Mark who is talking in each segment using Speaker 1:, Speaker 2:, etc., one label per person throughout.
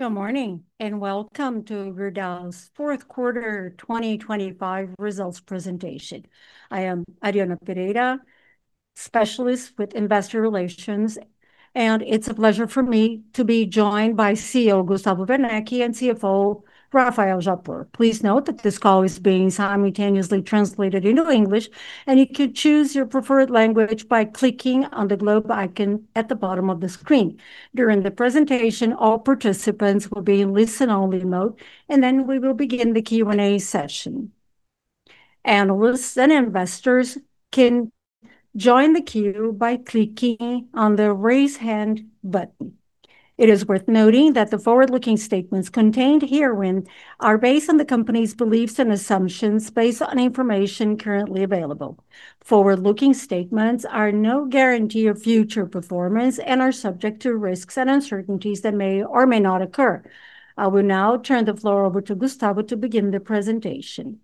Speaker 1: Good morning, and welcome to Gerdau's 4th quarter 2025 results presentation. I am Ariana Pereira, Specialist with Investor Relations, and it's a pleasure for me to be joined by CEO Gustavo Werneck and CFO Rafael Japur. Please note that this call is being simultaneously translated into English, and you can choose your preferred language by clicking on the globe icon at the bottom of the screen. During the presentation, all participants will be in listen-only mode, and then we will begin the Q&A session. Analysts and investors can join the queue by clicking on the Raise Hand button. It is worth noting that the forward-looking statements contained herein are based on the company's beliefs and assumptions, based on information currently available. Forward-looking statements are no guarantee of future performance and are subject to risks and uncertainties that may or may not occur. I will now turn the floor over to Gustavo to begin the presentation.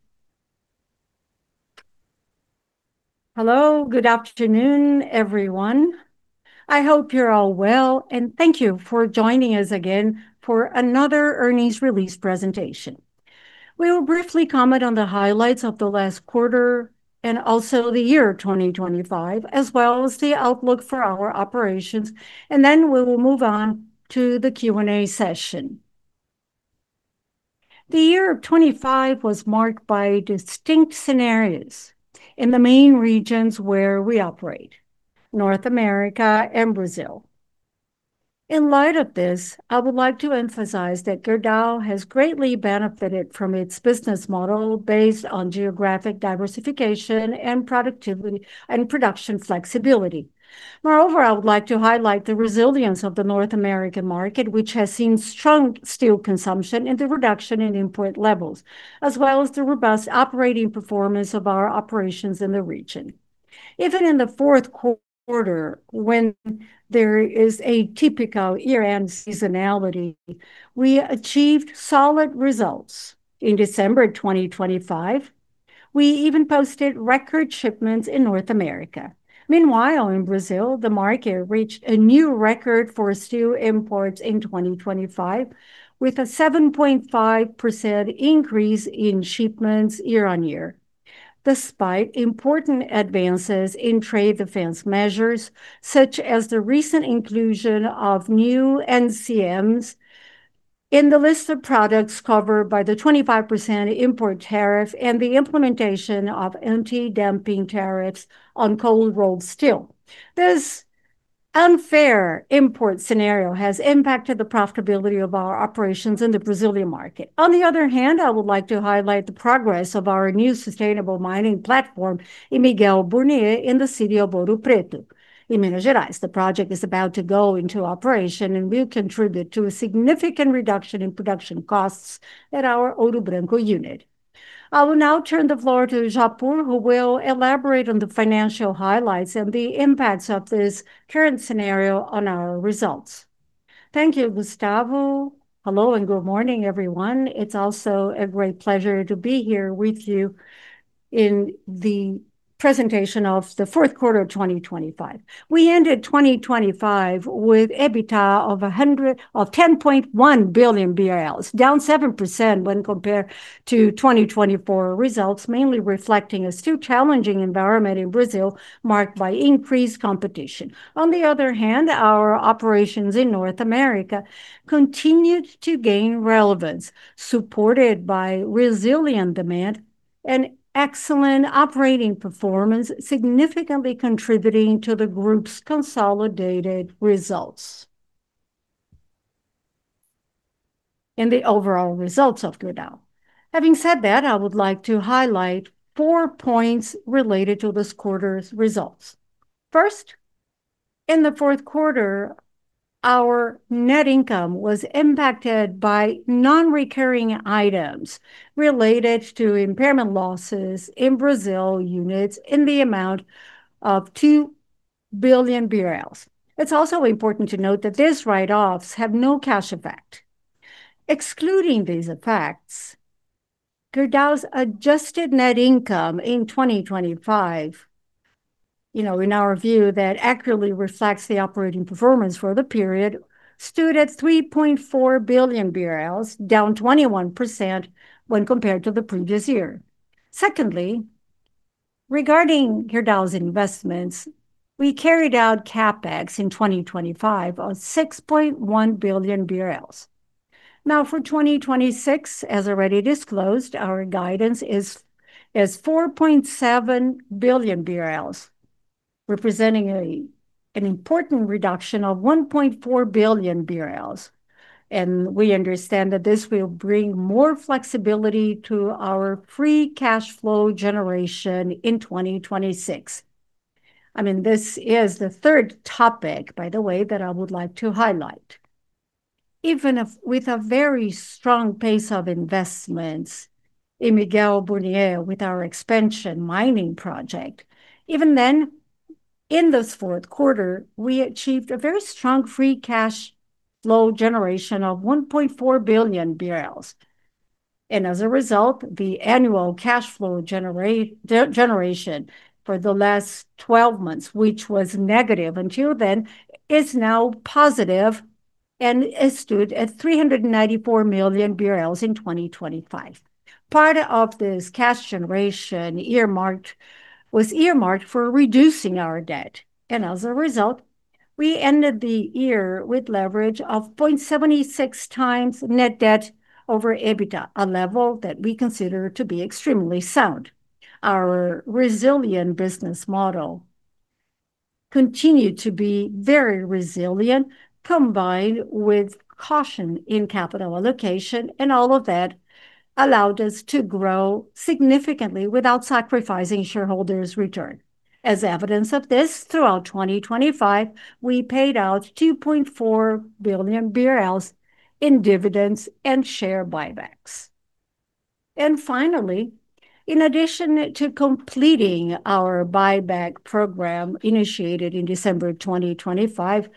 Speaker 2: Hello, good afternoon, everyone. I hope you're all well. Thank you for joining us again for another earnings release presentation. We will briefly comment on the highlights of the last quarter, also the year 2025, as well as the outlook for our operations. Then we will move on to the Q&A session. The year of 25 was marked by distinct scenarios in the main regions where we operate, North America and Brazil. In light of this, I would like to emphasize that Gerdau has greatly benefited from its business model based on geographic diversification and productivity and production flexibility. Moreover, I would like to highlight the resilience of the North American market, which has seen strong steel consumption and the reduction in import levels, as well as the robust operating performance of our operations in the region. Even in the 4th quarter, when there is a typical year-end seasonality, we achieved solid results. In December 2025, we even posted record shipments in North America. Meanwhile, in Brazil, the market reached a new record for steel imports in 2025, with a 7.5% increase in shipments year-on-year. Despite important advances in trade defense measures, such as the recent inclusion of new NCMs in the list of products covered by the 25% import tariff and the implementation of anti-dumping tariffs on cold rolled steel, this unfair import scenario has impacted the profitability of our operations in the Brazilian market. On the other hand, I would like to highlight the progress of our new sustainable mining platform in Miguel Burnier, in the city of Ouro Preto, in Minas Gerais. The project is about to go into operation and will contribute to a significant reduction in production costs at our Ouro Branco unit. I will now turn the floor to Japur, who will elaborate on the financial highlights and the impacts of this current scenario on our results.
Speaker 3: Thank you, Gustavo. Hello, good morning, everyone. It's also a great pleasure to be here with you in the presentation of the 4th quarter of 2025. We ended 2025 with EBITDA of 10.1 billion BRL, down 7% when compared to 2024 results, mainly reflecting a still challenging environment in Brazil, marked by increased competition. On the other hand, our operations in North America continued to gain relevance, supported by resilient demand and excellent operating performance, significantly contributing to the group's consolidated results, and the overall results of Gerdau. Having said that, I would like to highlight 4 points related to this quarter's results. First, in the 4th quarter, our net income was impacted by non-recurring items related to impairment losses in Brazil units in the amount of 2 billion BRL. It's also important to note that these write-offs have no cash effect. Excluding these effects, Gerdau's adjusted net income in 2025, you know, in our view, that accurately reflects the operating performance for the period, stood at 3.4 billion BRL, down 21% when compared to the previous year. Secondly, regarding Gerdau's investments, we carried out CapEx in 2025 of 6.1 billion BRL. For 2026, as already disclosed, our guidance is 4.7 billion BRL, representing an important reduction of 1.4 billion BRL. We understand that this will bring more flexibility to our free cash flow generation in 2026. I mean, this is the third topic, by the way, that I would like to highlight. Even if with a very strong pace of investments in Miguel Burnier, with our expansion mining project, even then, in this 4th quarter, we achieved a very strong free cash flow generation of 1.4 billion BRL. As a result, the annual cash flow generation for the last 12 months, which was negative until then, is now positive, and it stood at 394 million in 2025. Part of this cash generation earmarked was earmarked for reducing our debt. As a result, we ended the year with leverage of 0.76 times net debt/EBITDA, a level that we consider to be extremely sound. Our resilient business model continued to be very resilient, combined with caution in capital allocation, and all of that allowed us to grow significantly without sacrificing shareholders' return. As evidence of this, throughout 2025, we paid out 2.4 billion BRL in dividends and share buybacks. Finally, in addition to completing our buyback program initiated in December 2025,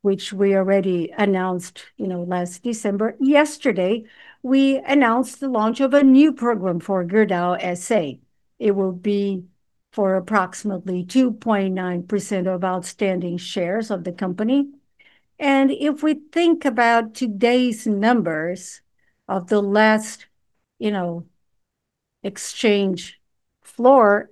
Speaker 3: which we already announced, you know, last December, yesterday we announced the launch of a new program for Gerdau S.A. It will be for approximately 2.9% of outstanding shares of the company. If we think about today's numbers of the last, you know, exchange floor,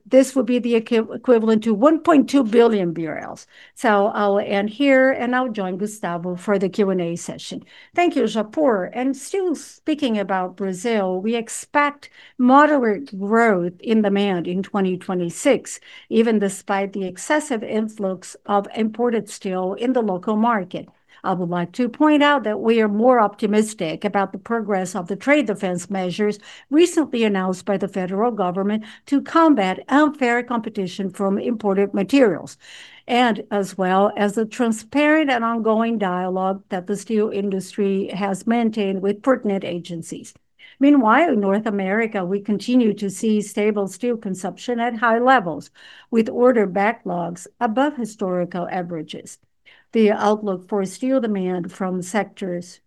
Speaker 3: this would be the equivalent to 1.2 billion BRL. I'll end here, and I'll join Gustavo for the Q&A session.
Speaker 2: Thank you, Japur. Still speaking about Brazil, we expect moderate growth in demand in 2026, even despite the excessive influx of imported steel in the local market. I would like to point out that we are more optimistic about the progress of the trade defense measures recently announced by the federal government to combat unfair competition from imported materials, and as well as a transparent and ongoing dialogue that the steel industry has maintained with pertinent agencies. Meanwhile, in North America, we continue to see stable steel consumption at high levels, with order backlogs above historical averages. The outlook for steel demand from sectors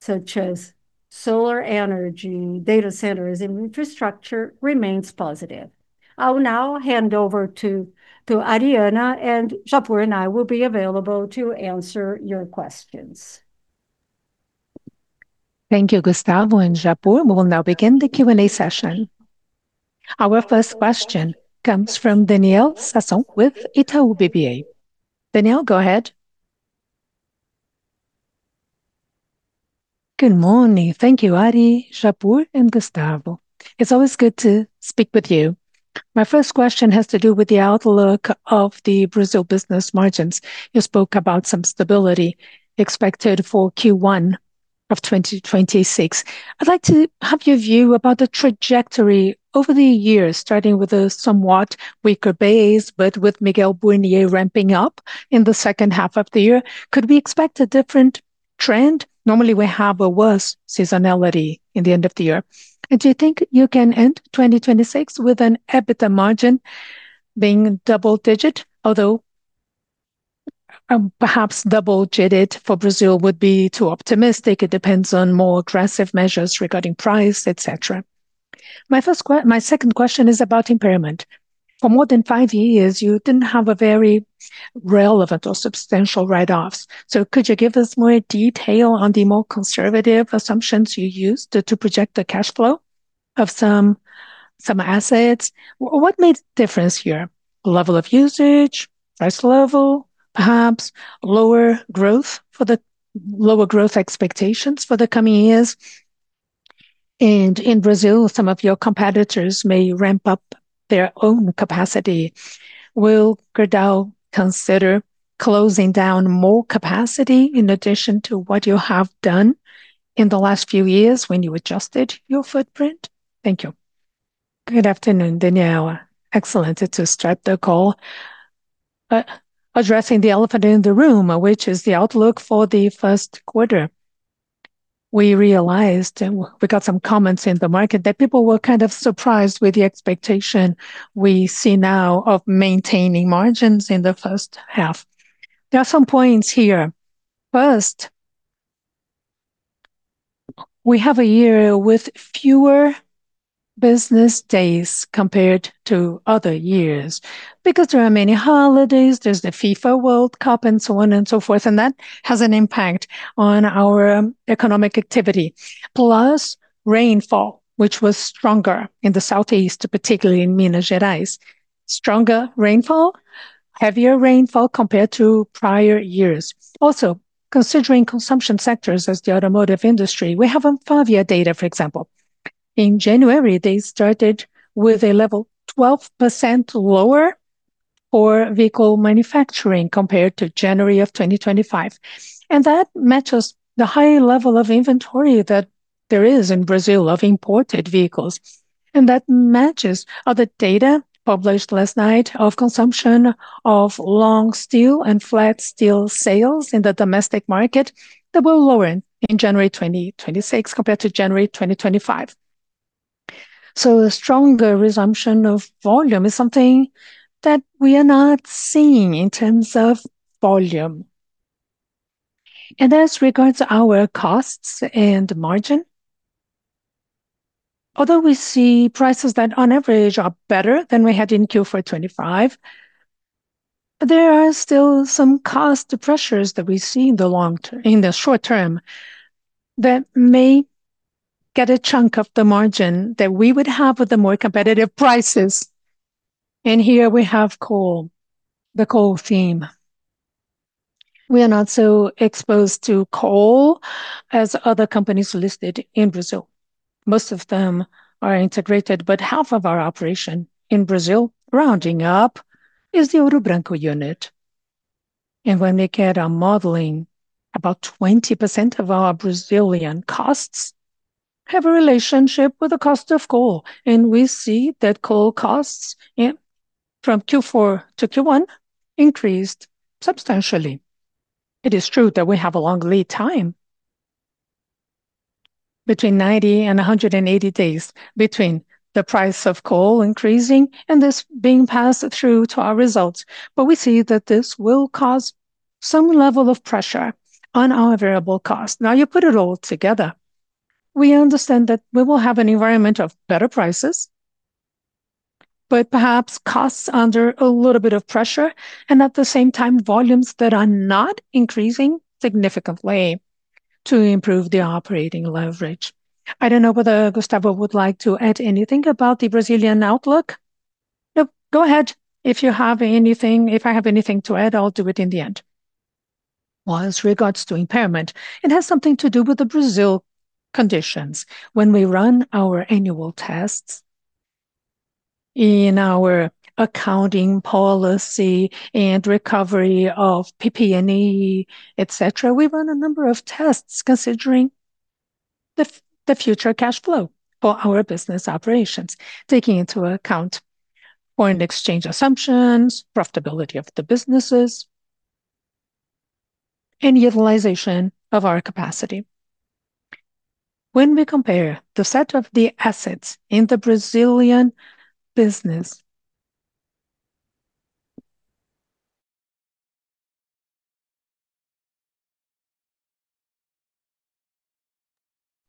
Speaker 2: such as solar energy, data centers, and infrastructure remains positive. I'll now hand over to Ariana, and Japur and I will be available to answer your questions.
Speaker 4: Thank you, Gustavo and Japur. We will now begin the Q&A session. Our first question comes from Daniel Sasson with Itaú BBA. Daniel, go ahead.
Speaker 5: Good morning. Thank you, Ari, Japur, and Gustavo. It's always good to speak with you. My first question has to do with the outlook of the Brazil business margins. You spoke about some stability expected for Q1 of 2026. I'd like to have your view about the trajectory over the years, starting with a somewhat weaker base, but with Miguel Burnier ramping up in the H2 of the year. Could we expect a different trend? Normally, we have a worse seasonality in the end of the year. Do you think you can end 2026 with an EBITDA margin being double-digit? Although, perhaps double-digit for Brazil would be too optimistic. It depends on more aggressive measures regarding price, et cetera. My second question is about impairment. For more than 5 years, you didn't have a very relevant or substantial write-offs, so could you give us more detail on the more conservative assumptions you used to project the cash flow of some assets? What made difference here? Level of usage, price level, perhaps lower growth for the lower growth expectations for the coming years? In Brazil, some of your competitors may ramp up their own capacity. Will Gerdau consider closing down more capacity in addition to what you have done in the last few years when you adjusted your footprint? Thank you.
Speaker 3: Good afternoon, Daniel. Excellent to start the call. Addressing the elephant in the room, which is the outlook for the Q1, we realized, and we got some comments in the market, that people were kind of surprised with the expectation we see now of maintaining margins in the H1. There are some points here. First, we have a year with fewer business days compared to other years because there are many holidays, there's the FIFA World Cup, and so on and so forth, and that has an impact on our economic activity. Plus, rainfall, which was stronger in the southeast, particularly in Minas Gerais. Stronger rainfall, heavier rainfall compared to prior years. Also, considering consumption sectors as the automotive industry, we have a 5-year data, for example. In January, they started with a level 12% lower for vehicle manufacturing compared to January 2025, and that matches the high level of inventory that there is in Brazil of imported vehicles. That matches other data published last night of consumption of long steel and flat steel sales in the domestic market that were lower in January 2026 compared to January 2025. A stronger resumption of volume is something that we are not seeing in terms of volume. As regards our costs and margin, although we see prices that on average are better than we had in Q4 2025, there are still some cost pressures that we see in the short term, that may get a chunk of the margin that we would have with the more competitive prices. Here we have coal, the coal theme. We are not so exposed to coal as other companies listed in Brazil. Most of them are integrated, half of our operation in Brazil, rounding up, is the Ouro Branco unit. When we get our modeling, about 20% of our Brazilian costs have a relationship with the cost of coal, and we see that coal costs in from Q4 to Q1 increased substantially. It is true that we have a long lead time, between 90 and 180 days between the price of coal increasing and this being passed through to our results. We see that this will cause some level of pressure on our variable cost. Now, you put it all together, we understand that we will have an environment of better prices, but perhaps costs under a little bit of pressure, and at the same time, volumes that are not increasing significantly to improve the operating leverage. I don't know whether Gustavo would like to add anything about the Brazilian outlook. No, go ahead. If I have anything to add, I'll do it in the end. Well, as regards to impairment, it has something to do with the Brazil conditions. When we run our annual tests in our accounting policy and recovery of PP&E, et cetera, we run a number of tests considering the future cash flow for our business operations, taking into account foreign exchange assumptions, profitability of the businesses, and utilization of our capacity. When we compare the set of the assets in the Brazilian business,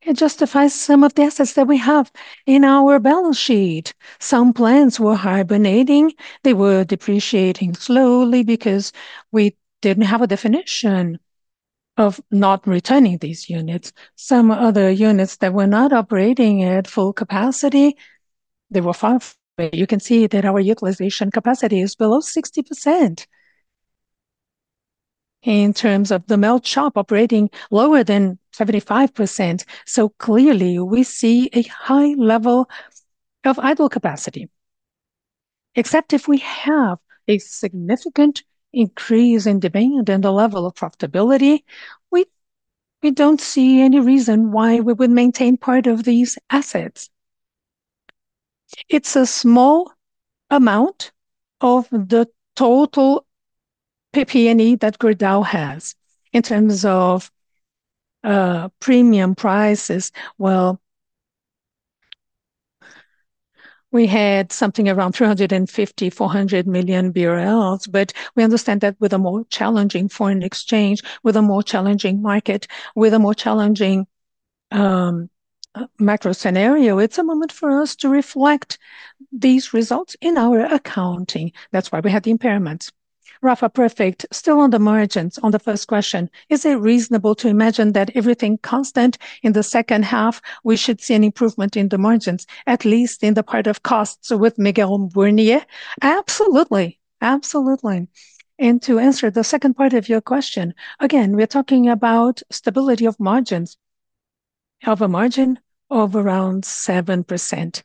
Speaker 3: it justifies some of the assets that we have in our balance sheet. Some plants were hibernating. They were depreciating slowly because we didn't have a definition of not returning these units. Some other units that were not operating at full capacity, they were far. You can see that our utilization capacity is below 60%. In terms of the melt shop, operating lower than 75%, so clearly we see a high level of idle capacity. Except if we have a significant increase in demand and the level of profitability, we don't see any reason why we would maintain part of these assets. It's a small amount of the total PP&E that Gerdau has. In terms of premium prices, well, we had something around 350 million BRL, 400 million BRL, we understand that with a more challenging foreign exchange, with a more challenging market, with a more challenging macro scenario, it's a moment for us to reflect these results in our accounting. That's why we had the impairments.
Speaker 5: Rafa, perfect. Still on the margins, on the first question, is it reasonable to imagine that everything constant in the H2, we should see an improvement in the margins, at least in the part of costs with Miguel Burnier?
Speaker 3: Absolutely. Absolutely. To answer the second part of your question, again, we're talking about stability of margins. Have a margin of around 7%.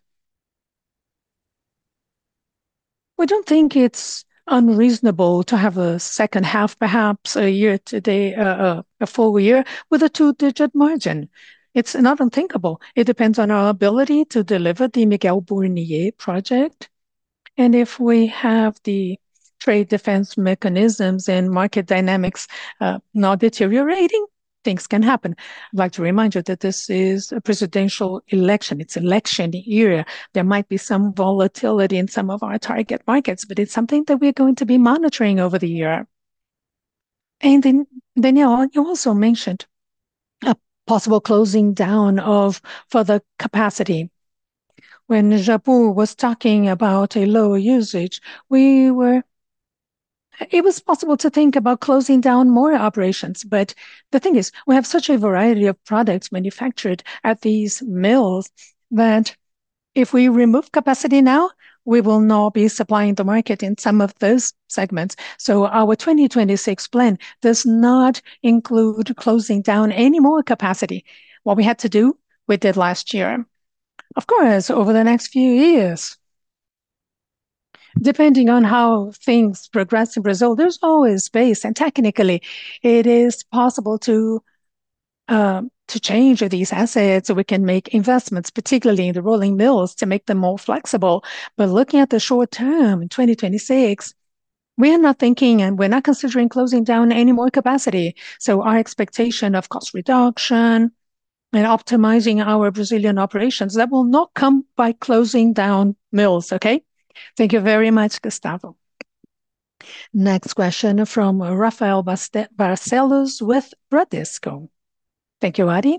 Speaker 3: We don't think it's unreasonable to have a H2, perhaps a year today, a full year with a 2-digit margin. It's not unthinkable. It depends on our ability to deliver the Miguel Burnier project, and if we have the trade defense mechanisms and market dynamics not deteriorating, things can happen. I'd like to remind you that this is a presidential election. It's election year. There might be some volatility in some of our target markets, but it's something that we're going to be monitoring over the year. Daniel, you also mentioned a possible closing down of further capacity.
Speaker 2: When Japur was talking about a lower usage, it was possible to think about closing down more operations, but the thing is, we have such a variety of products manufactured at these mills, that if we remove capacity now, we will not be supplying the market in some of those segments. Our 2026 plan does not include closing down any more capacity. What we had to do, we did last year. Of course, over the next few years, depending on how things progress in Brazil, there's always space, and technically it is possible to change these assets, so we can make investments, particularly in the rolling mills, to make them more flexible. Looking at the short term, in 2026, we are not thinking and we're not considering closing down any more capacity, so our expectation of cost reduction-... Optimizing our Brazilian operations, that will not come by closing down mills, okay?
Speaker 5: Thank you very much, Gustavo.
Speaker 4: Next question from Rafael Barcellos with Bradesco.
Speaker 6: Thank you, Ari.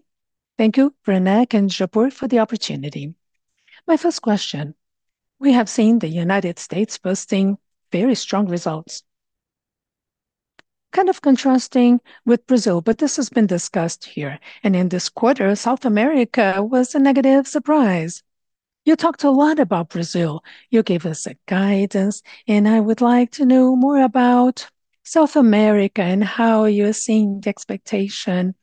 Speaker 6: Thank you, Rene and Japur for the opportunity. My first question, we have seen the United States boasting very strong results, kind of contrasting with Brazil, but this has been discussed here. In this quarter, South America was a negative surprise. You talked a lot about Brazil. You gave us a guidance, I would like to know more about South America and how you're seeing the expectation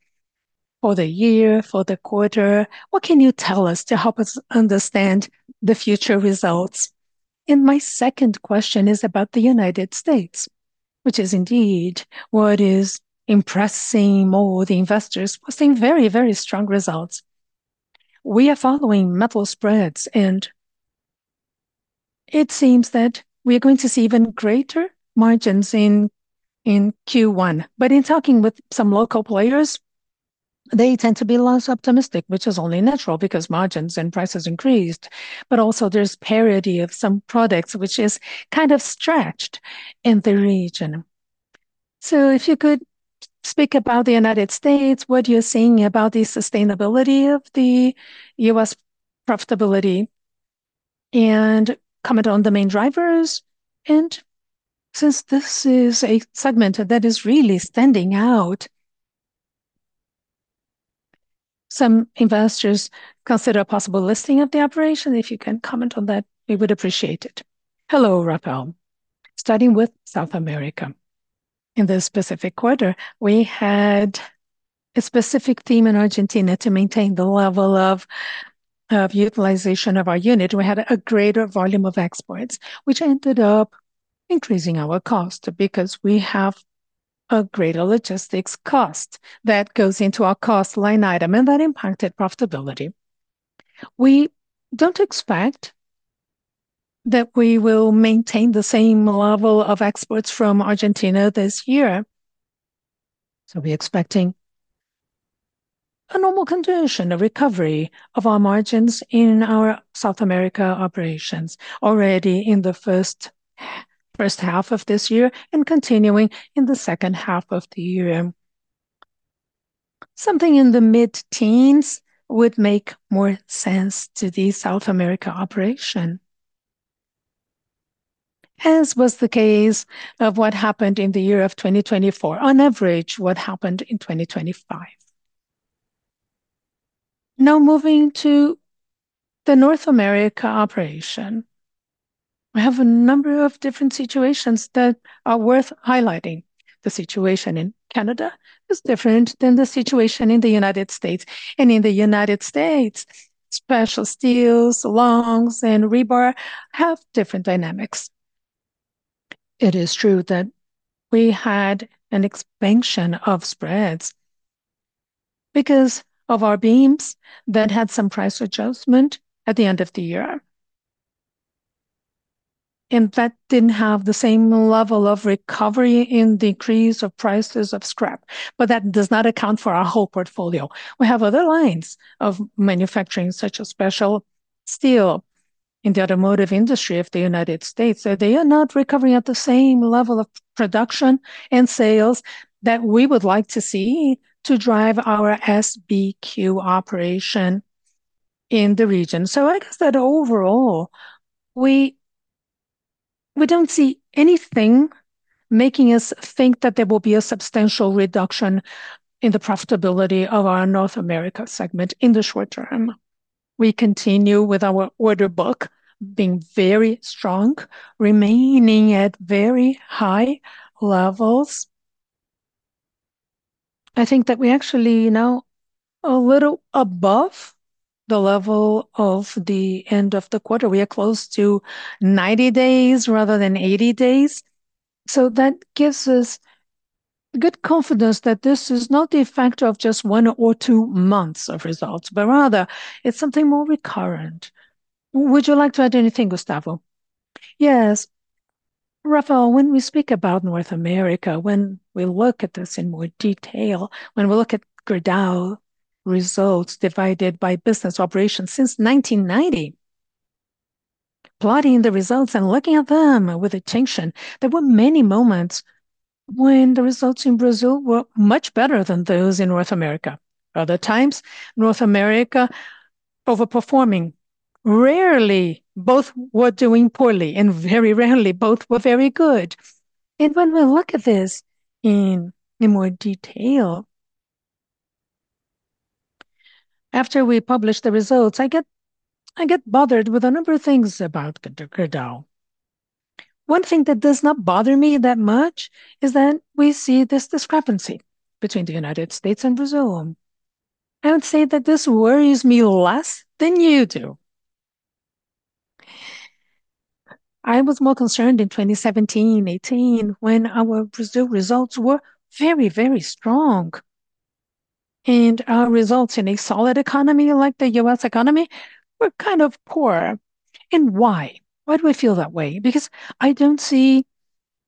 Speaker 6: for the year, for the quarter. What can you tell us to help us understand the future results? My second question is about the United States, which is indeed what is impressing more the investors, boasting very strong results. We are following metal spreads, it seems that we are going to see even greater margins in Q1. In talking with some local players, they tend to be less optimistic, which is only natural, because margins and prices increased. Also there's parity of some products, which is kind of stretched in the region. If you could speak about the United States, what you're seeing about the sustainability of the US profitability, and comment on the main drivers. Since this is a segment that is really standing out, some investors consider a possible listing of the operation. If you can comment on that, we would appreciate it.
Speaker 3: Hello, Rafael. Starting with South America, in this specific quarter, we had a specific team in Argentina to maintain the level of utilization of our unit. We had a greater volume of exports, which ended up increasing our cost, because we have a greater logistics cost that goes into our cost line item, and that impacted profitability. We don't expect that we will maintain the same level of exports from Argentina this year, so we're expecting a normal condition, a recovery of our margins in our South America operations already in the H1 of this year and continuing in the H2 of the year. Something in the mid-teens would make more sense to the South America operation, as was the case of what happened in the year of 2024, on average, what happened in 2025. Moving to the North America operation, we have a number of different situations that are worth highlighting. The situation in Canada is different than the situation in the United States. In the United States, special steels, longs, and rebar have different dynamics. It is true that we had an expansion of spreads because of our beams that had some price adjustment at the end of the year, and that didn't have the same level of recovery in decrease of prices of scrap. That does not account for our whole portfolio. We have other lines of manufacturing, such as special steel in the automotive industry of the United States, they are not recovering at the same level of production and sales that we would like to see to drive our SBQ operation in the region. I guess that overall, we don't see anything making us think that there will be a substantial reduction in the profitability of our North America segment in the short term. We continue with our order book being very strong, remaining at very high levels. I think that we actually, you know, a little above the level of the end of the quarter. We are close to 90 days rather than 80 days, so that gives us good confidence that this is not the effect of just 1 or 2 months of results, but rather it's something more recurrent. Would you like to add anything, Gustavo?
Speaker 2: Yes. Rafael, when we speak about North America, when we look at this in more detail, when we look at Gerdau results divided by business operations since 1990, plotting the results and looking at them with attention, there were many moments when the results in Brazil were much better than those in North America. Other times, North America overperforming. Rarely both were doing poorly, and very rarely both were very good. When we look at this in more detail, after we publish the results, I get bothered with a number of things about the Gerdau. One thing that does not bother me that much is that we see this discrepancy between the United States and Brazil. I would say that this worries me less than you do. I was more concerned in 2017, 2018, when our Brazil results were very, very strong, and our results in a solid economy, like the U.S. economy, were kind of poor. Why? Why do I feel that way? Because I don't see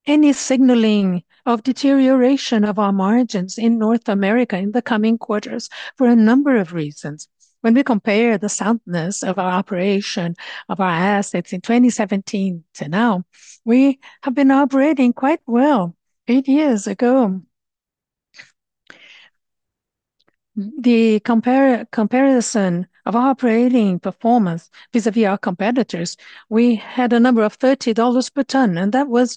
Speaker 2: any signaling of deterioration of our margins in North America in the coming quarters for a number of reasons. When we compare the soundness of our operation, of our assets in 2017 to now, we have been operating quite well 8 years ago. The comparison of our operating performance vis-a-vis our competitors, we had a number of $30 per ton, and that was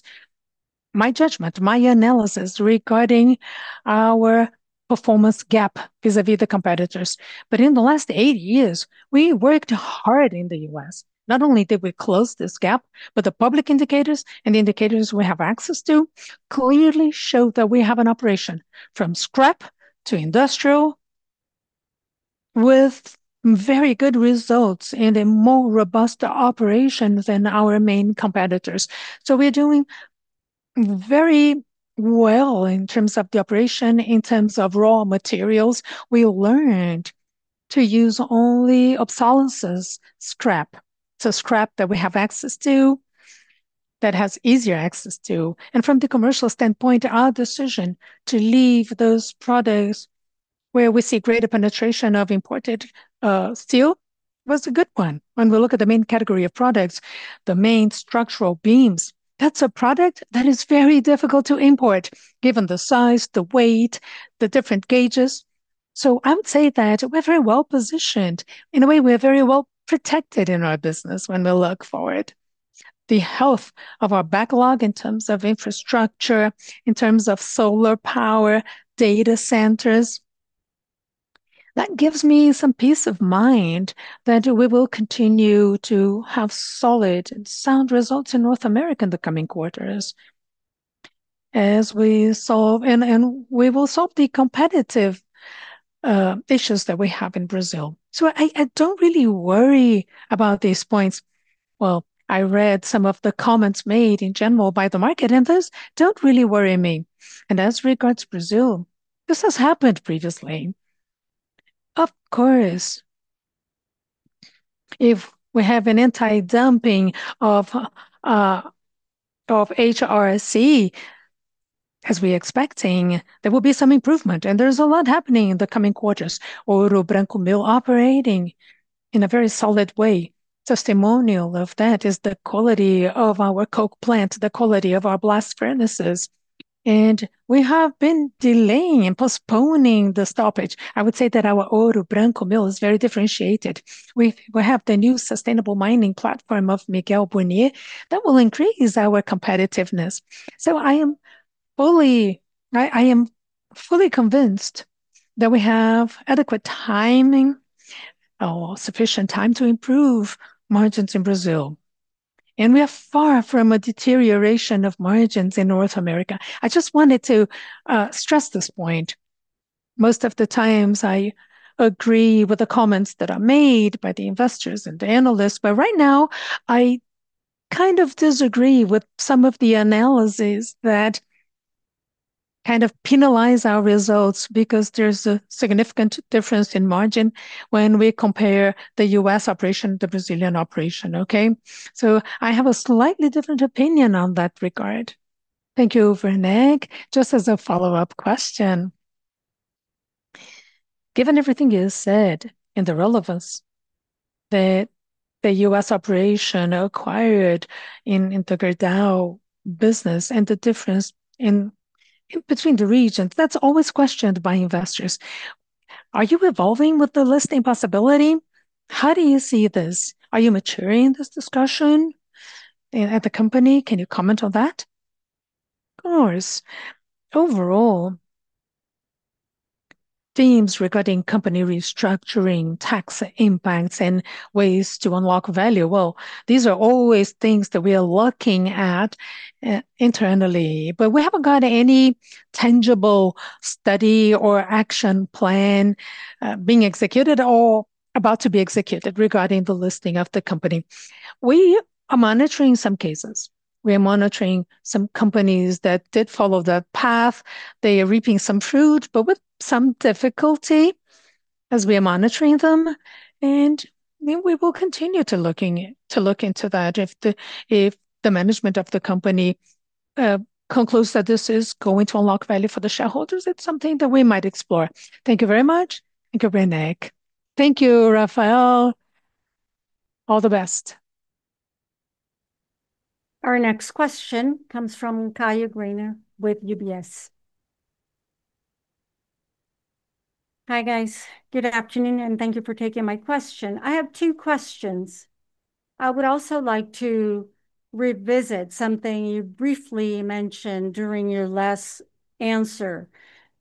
Speaker 2: my judgment, my analysis regarding our performance gap vis-a-vis the competitors. In the last 8 years, we worked hard in the US. Not only did we close this gap, but the public indicators and the indicators we have access to clearly show that we have an operation from scrap to industrial, with very good results and a more robust operation than our main competitors. We're doing very well in terms of the operation, in terms of raw materials. We learned to use only obsolete scrap. Scrap that we have access to, that has easier access to. From the commercial standpoint, our decision to leave those products where we see greater penetration of imported steel, was a good one. When we look at the main category of products, the main structural beams, that's a product that is very difficult to import, given the size, the w8, the different gauges. I would say that we're very well-positioned. In a way, we're very well-protected in our business when we look forward. The health of our backlog in terms of infrastructure, in terms of solar power, data centers, that gives me some peace of mind that we will continue to have solid and sound results in North America in the coming quarters. We will solve the competitive issues that we have in Brazil. I don't really worry about these points. Well, I read some of the comments made in general by the market, and those don't really worry me. As regards Brazil, this has happened previously. Of course, if we have an anti-dumping of HRC, as we're expecting, there will be some improvement, and there's a lot happening in the coming quarters. Ouro Branco mill operating in a very solid way. Testimonial of that is the quality of our coke plant, the quality of our blast furnace, and we have been delaying and postponing the stoppage. I would say that our Ouro Branco mill is very differentiated. We have the new sustainable mining platform of Miguel Burnier that will increase our competitiveness. I am fully convinced that we have adequate timing or sufficient time to improve margins in Brazil, and we are far from a deterioration of margins in North America. I just wanted to stress this point. Most of the times, I agree with the comments that are made by the investors and the analysts. Right now, I kind of disagree with some of the analysis that kind of penalize our results, because there's a significant difference in margin when we compare the US operation to the Brazilian operation, okay? I have a slightly different opinion on that regard.
Speaker 6: Thank you, Rene. Just as a follow-up question: Given everything you said, and the relevance that the US operation acquired in the Gerdau business, and the difference in between the regions, that's always questioned by investors. Are you evolving with the listing possibility? How do you see this? Are you maturing this discussion at the company? Can you comment on that?
Speaker 2: Of course. Overall, themes regarding company restructuring, tax impacts, and ways to unlock value, well, these are always things that we are looking at internally. We haven't got any tangible study or action plan being executed or about to be executed regarding the listing of the company. We are monitoring some cases. We are monitoring some companies that did follow that path. They are reaping some fruit, but with some difficulty, as we are monitoring them, and then we will continue to look into that. If the management of the company concludes that this is going to unlock value for the shareholders, it's something that we might explore. Thank you very much.
Speaker 6: Thank you, Rene.
Speaker 2: Thank you, Rafael. All the best.
Speaker 4: Our next question comes from Caio Greiner with UBS.
Speaker 7: Hi, guys. Good afternoon. Thank you for taking my question. I have 2 questions. I would also like to revisit something you briefly mentioned during your last answer.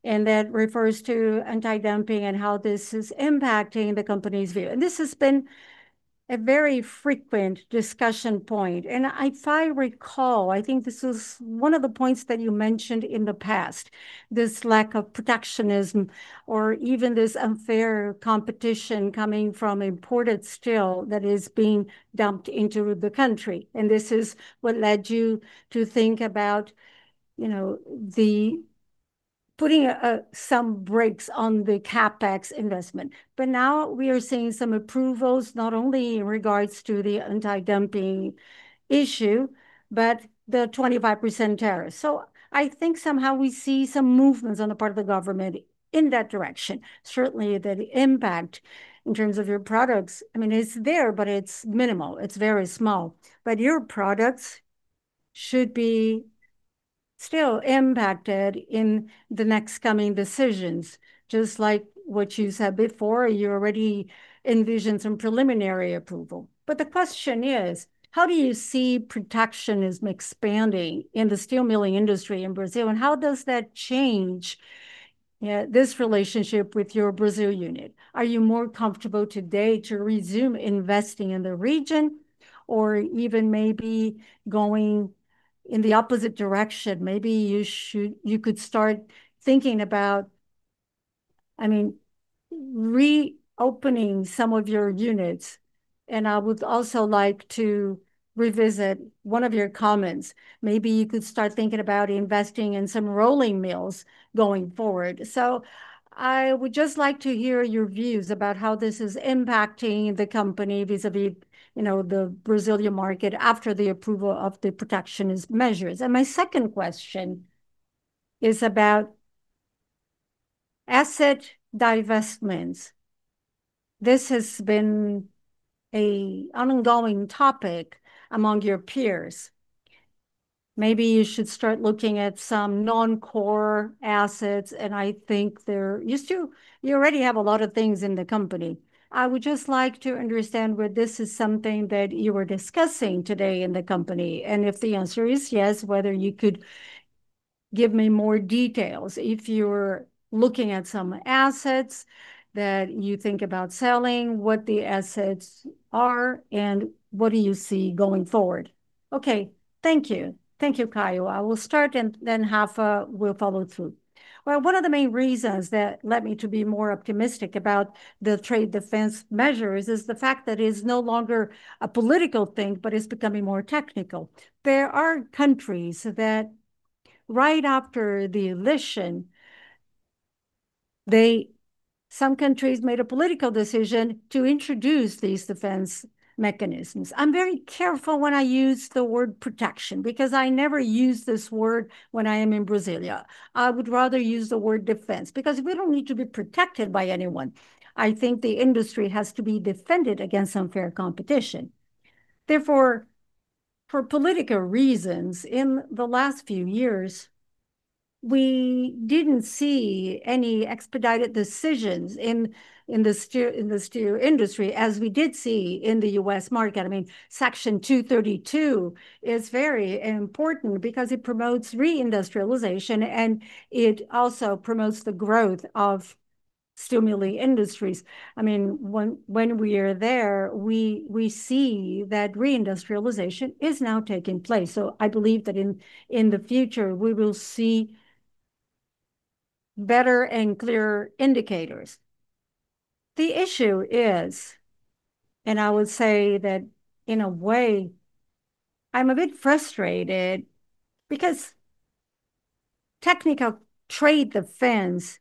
Speaker 7: That refers to anti-dumping and how this is impacting the company's view. This has been a very frequent discussion point. If I recall, I think this is one of the points that you mentioned in the past, this lack of protectionism or even this unfair competition coming from imported steel that is being dumped into the country. This is what led you to think about, you know, putting some brakes on the CapEx investment. Now we are seeing some approvals, not only in regards to the anti-dumping issue, but the 25% tariff. I think somehow we see some movements on the part of the government in that direction. Certainly, the impact in terms of your products, I mean, it's there, but it's minimal. It's very small. Your products should be still impacted in the next coming decisions, just like what you said before, you already envisioned some preliminary approval. The question is: How do you see protectionism expanding in the steel milling industry in Brazil, and how does that change this relationship with your Brazil unit? Are you more comfortable today to resume investing in the region or even maybe going in the opposite direction? Maybe you could start thinking about, I mean, reopening some of your units. I would also like to revisit one of your comments. Maybe you could start thinking about investing in some rolling mills going forward. I would just like to hear your views about how this is impacting the company vis-à-vis, you know, the Brazilian market after the approval of the protectionist measures. My second question is about asset divestments. This has been a ongoing topic among your peers. Maybe you should start looking at some non-core assets. You already have a lot of things in the company. I would just like to understand whether this is something that you are discussing today in the company, if the answer is yes, whether you could give me more details. If you're looking at some assets that you think about selling, what the assets are, what do you see going forward? Okay. Thank you.
Speaker 2: Thank you, Caio. I will start, Rafa will follow through. One of the main reasons that led me to be more optimistic about the trade defense measures is the fact that it's no longer a political thing, but it's becoming more technical. There are countries that, right after the election, Some countries made a political decision to introduce these defense mechanisms. I'm very careful when I use the word protection, because I never use this word when I am in Brasília. I would rather use the word defense, because we don't need to be protected by anyone. I think the industry has to be defended against unfair competition. For political reasons, in the last few years, we didn't see any expedited decisions in the steel industry, as we did see in the U.S. market. I mean, Section 232 is very important because it promotes re-industrialization, and it also promotes the growth of steel milling industries. I mean, when we are there, we see that re-industrialization is now taking place. I believe that in the future, we will see better and clearer indicators. The issue is, I would say that in a way, I'm a bit frustrated because technical trade defense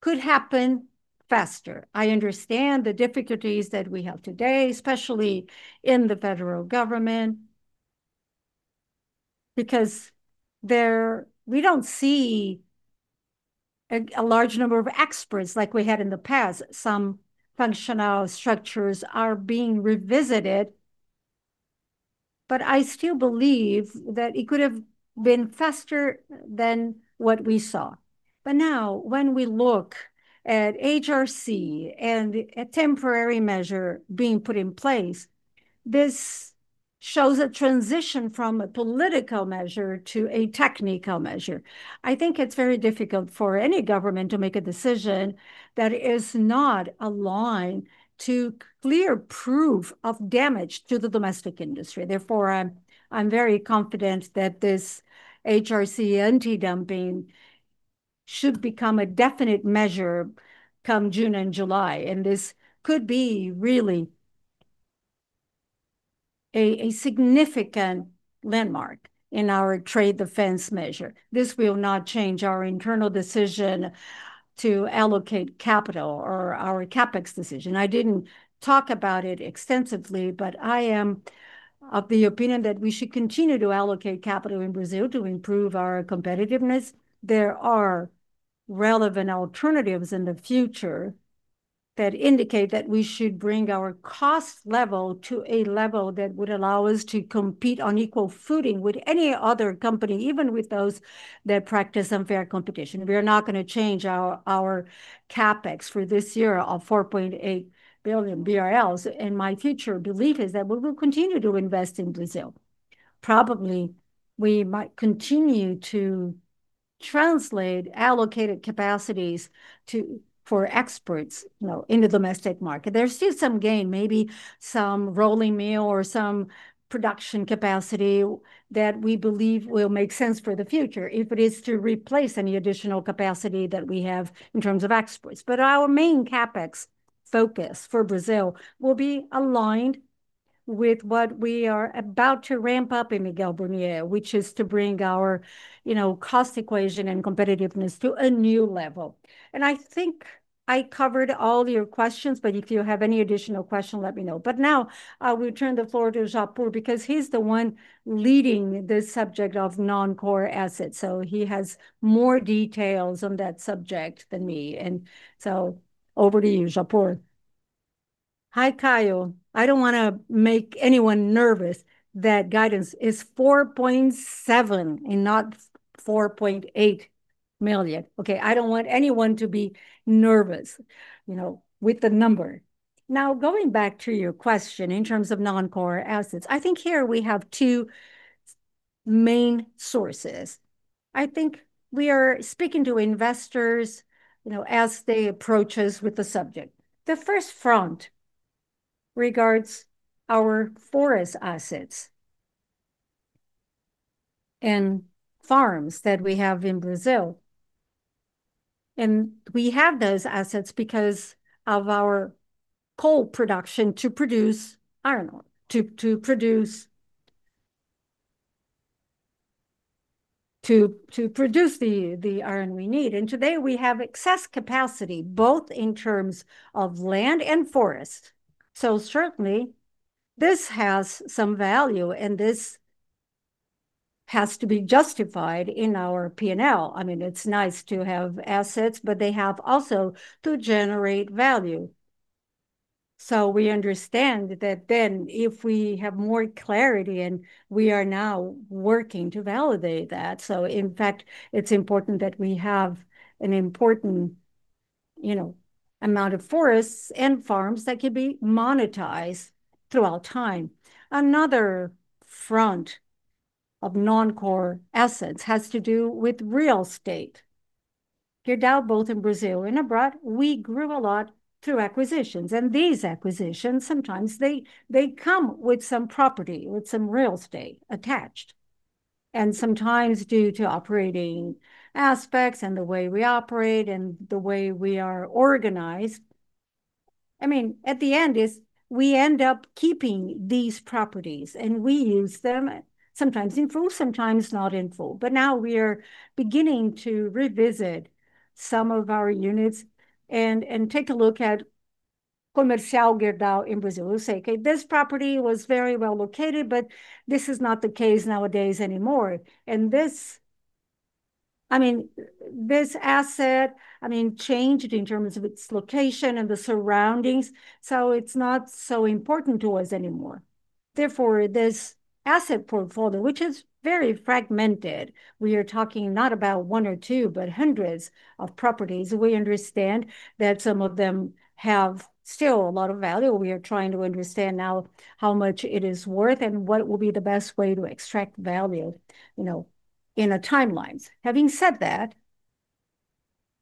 Speaker 2: could happen faster. I understand the difficulties that we have today, especially in the federal government, because we don't see a large number of experts like we had in the past. Some functional structures are being revisited, I still believe that it could have been faster than what we saw. Now, when we look at HRC and a temporary measure being put in place, this shows a transition from a political measure to a technical measure. I think it's very difficult for any government to make a decision that is not aligned to clear proof of damage to the domestic industry. I'm very confident that this HRC anti-dumping should become a definite measure come June and July, and this could be really a significant landmark in our trade defense measure. This will not change our internal decision to allocate capital or our CapEx decision. I didn't talk about it extensively, but I am of the opinion that we should continue to allocate capital in Brazil to improve our competitiveness. There are relevant alternatives in the future that indicate that we should bring our cost level to a level that would allow us to compete on equal footing with any other company, even with those that practice unfair competition. We are not gonna change our CapEx for this year of 4.8 billion BRL. My future belief is that we will continue to invest in Brazil. Probably, we might continue to translate allocated capacities for exports, you know, in the domestic market. There's still some gain, maybe some rolling mill or some production capacity that we believe will make sense for the future if it is to replace any additional capacity that we have in terms of exports. Our main CapEx focus for Brazil will be aligned. with what we are about to ramp up in Miguel Burnier, which is to bring our, you know, cost equation and competitiveness to a new level. I think I covered all your questions, but if you have any additional question, let me know. Now, I will turn the floor to Japur because he's the one leading the subject of non-core assets, so he has more details on that subject than me. Over to you, Japur.
Speaker 3: Hi, Caio. I don't wanna make anyone nervous. That guidance is 4.7 million and not 4.8 million, okay? I don't want anyone to be nervous, you know, with the number. Now, going back to your question in terms of non-core assets, I think here we have 2 main sources. I think we are speaking to investors, you know, as they approach us with the subject. The first front regards our forest assets and farms that we have in Brazil, and we have those assets because of our coal production to produce iron ore, to produce the iron we need. Today we have excess capacity, both in terms of land and forest. Certainly this has some value, and this has to be justified in our P&L. I mean, it's nice to have assets, but they have also to generate value. We understand that then if we have more clarity, and we are now working to validate that. In fact, it's important that we have an important, you know, amount of forests and farms that could be monetized throughout time. Another front of non-core assets has to do with real estate. Gerdau, both in Brazil and abroad, we grew a lot through acquisitions, and these acquisitions, sometimes they come with some property, with some real estate attached. Sometimes due to operating aspects and the way we operate and the way we are organized. I mean, at the end is we end up keeping these properties, and we use them, sometimes in full, sometimes not in full. Now we are beginning to revisit some of our units and take a look at Comercial Gerdau in Brazil and say, "Okay, this property was very well located, but this is not the case nowadays anymore. This, I mean, this asset, I mean, changed in terms of its location and the surroundings, so it's not so important to us anymore." This asset portfolio, which is very fragmented, we are talking not about one or two, but hundreds of properties. We understand that some of them have still a lot of value. We are trying to understand now how much it is worth and what will be the best way to extract value, you know, in the timelines. Having said that,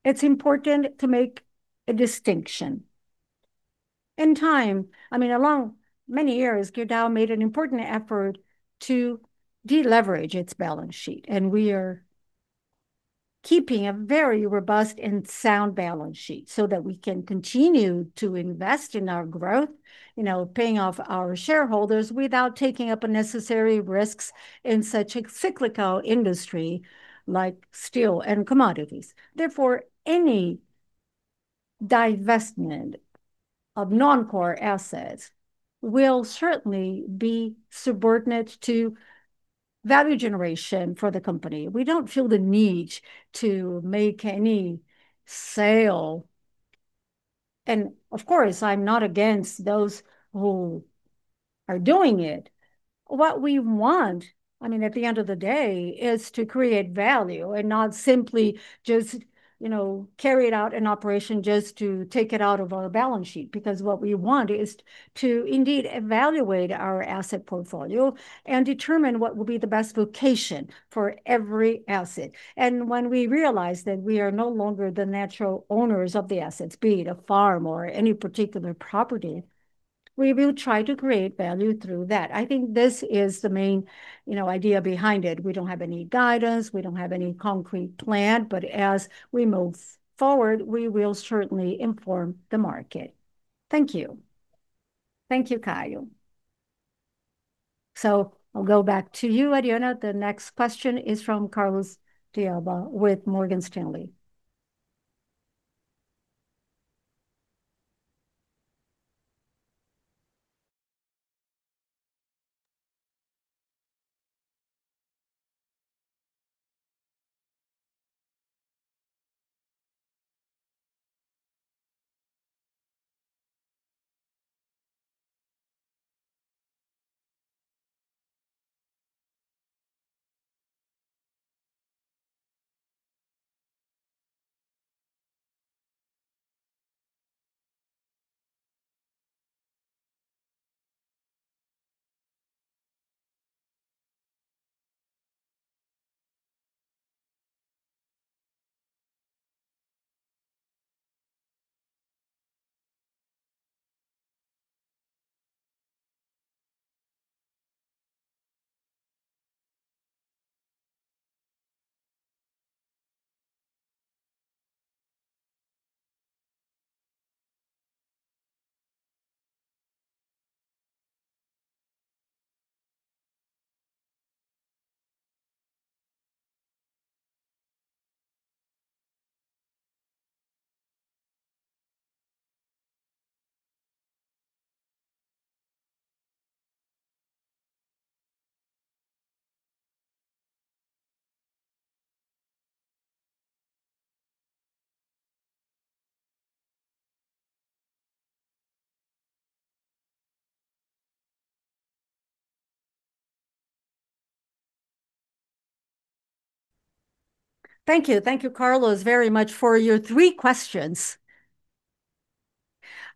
Speaker 3: it's important to make a distinction. In time, I mean, along many years, Gerdau made an important effort to deleverage its balance sheet. We are keeping a very robust and sound balance sheet so that we can continue to invest in our growth, you know, paying off our shareholders without taking up unnecessary risks in such a cyclical industry, like steel and commodities. Therefore, any divestment of non-core assets will certainly be subordinate to value generation for the company. We don't feel the need to make any sale. Of course, I'm not against those who are doing it. What we want, I mean, at the end of the day, is to create value and not simply just, you know, carry out an operation just to take it out of our balance sheet. Because what we want is to indeed evaluate our asset portfolio and determine what will be the best location for every asset. When we realize that we are no longer the natural owners of the assets, be it a farm or any particular property, we will try to create value through that. I think this is the main, you know, idea behind it. We don't have any guidance. We don't have any concrete plan, but as we move forward, we will certainly inform the market. Thank you. Thank you, Caio.
Speaker 4: I'll go back to you, Ariana. The next question is from Carlos de Alba with Morgan Stanley.
Speaker 3: Thank you. Thank you, Carlos, very much for your 3 questions.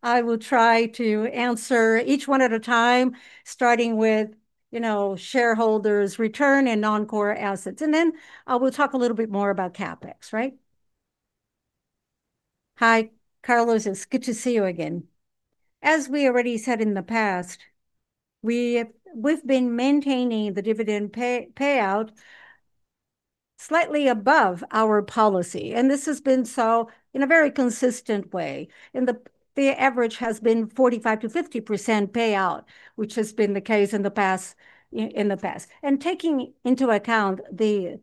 Speaker 3: I will try to answer each one at a time, starting with, you know, shareholders' return and non-core assets. Then we'll talk a little bit more about CapEx, right? Hi, Carlos, it's good to see you again. As we already said in the past, we've been maintaining the dividend payout slightly above our policy. This has been so in a very consistent way. The average has been 45%-50% payout, which has been the case in the past. Taking into account the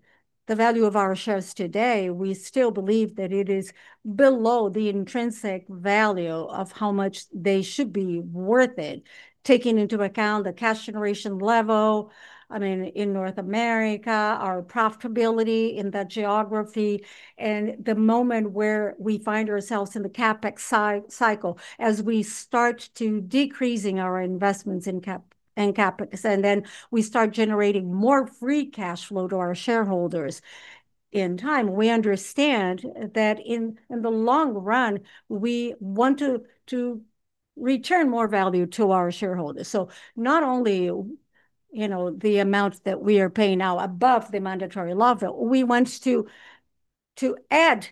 Speaker 3: value of our shares today, we still believe that it is below the intrinsic value of how much they should be worth it, taking into account the cash generation level, I mean, in North America, our profitability in that geography, and the moment where we find ourselves in the CapEx cycle. As we start to decreasing our investments in CapEx, and then we start generating more free cash flow to our shareholders. In time, we understand that in the long run, we want to return more value to our shareholders. Not only, you know, the amount that we are paying now above the mandatory level, we want to add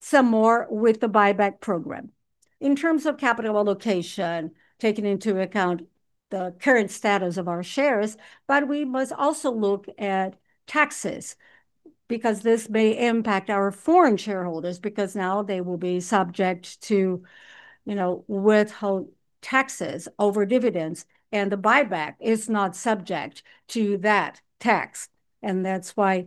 Speaker 3: some more with the buyback program. In terms of capital allocation, taking into account the current status of our shares. We must also look at taxes, because this may impact our foreign shareholders, because now they will be subject to, you know, withholding taxes over dividends, and the buyback is not subject to that tax. That's why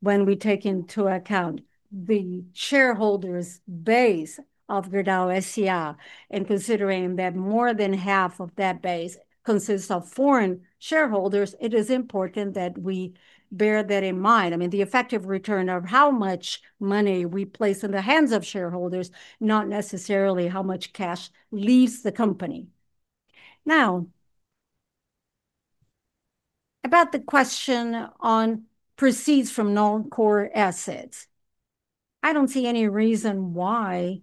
Speaker 3: when we take into account the shareholders' base of Gerdau S.A., and considering that more than half of that base consists of foreign shareholders, it is important that we bear that in mind. I mean, the effective return of how much money we place in the hands of shareholders, not necessarily how much cash leaves the company. About the question on proceeds from non-core assets. I don't see any reason why.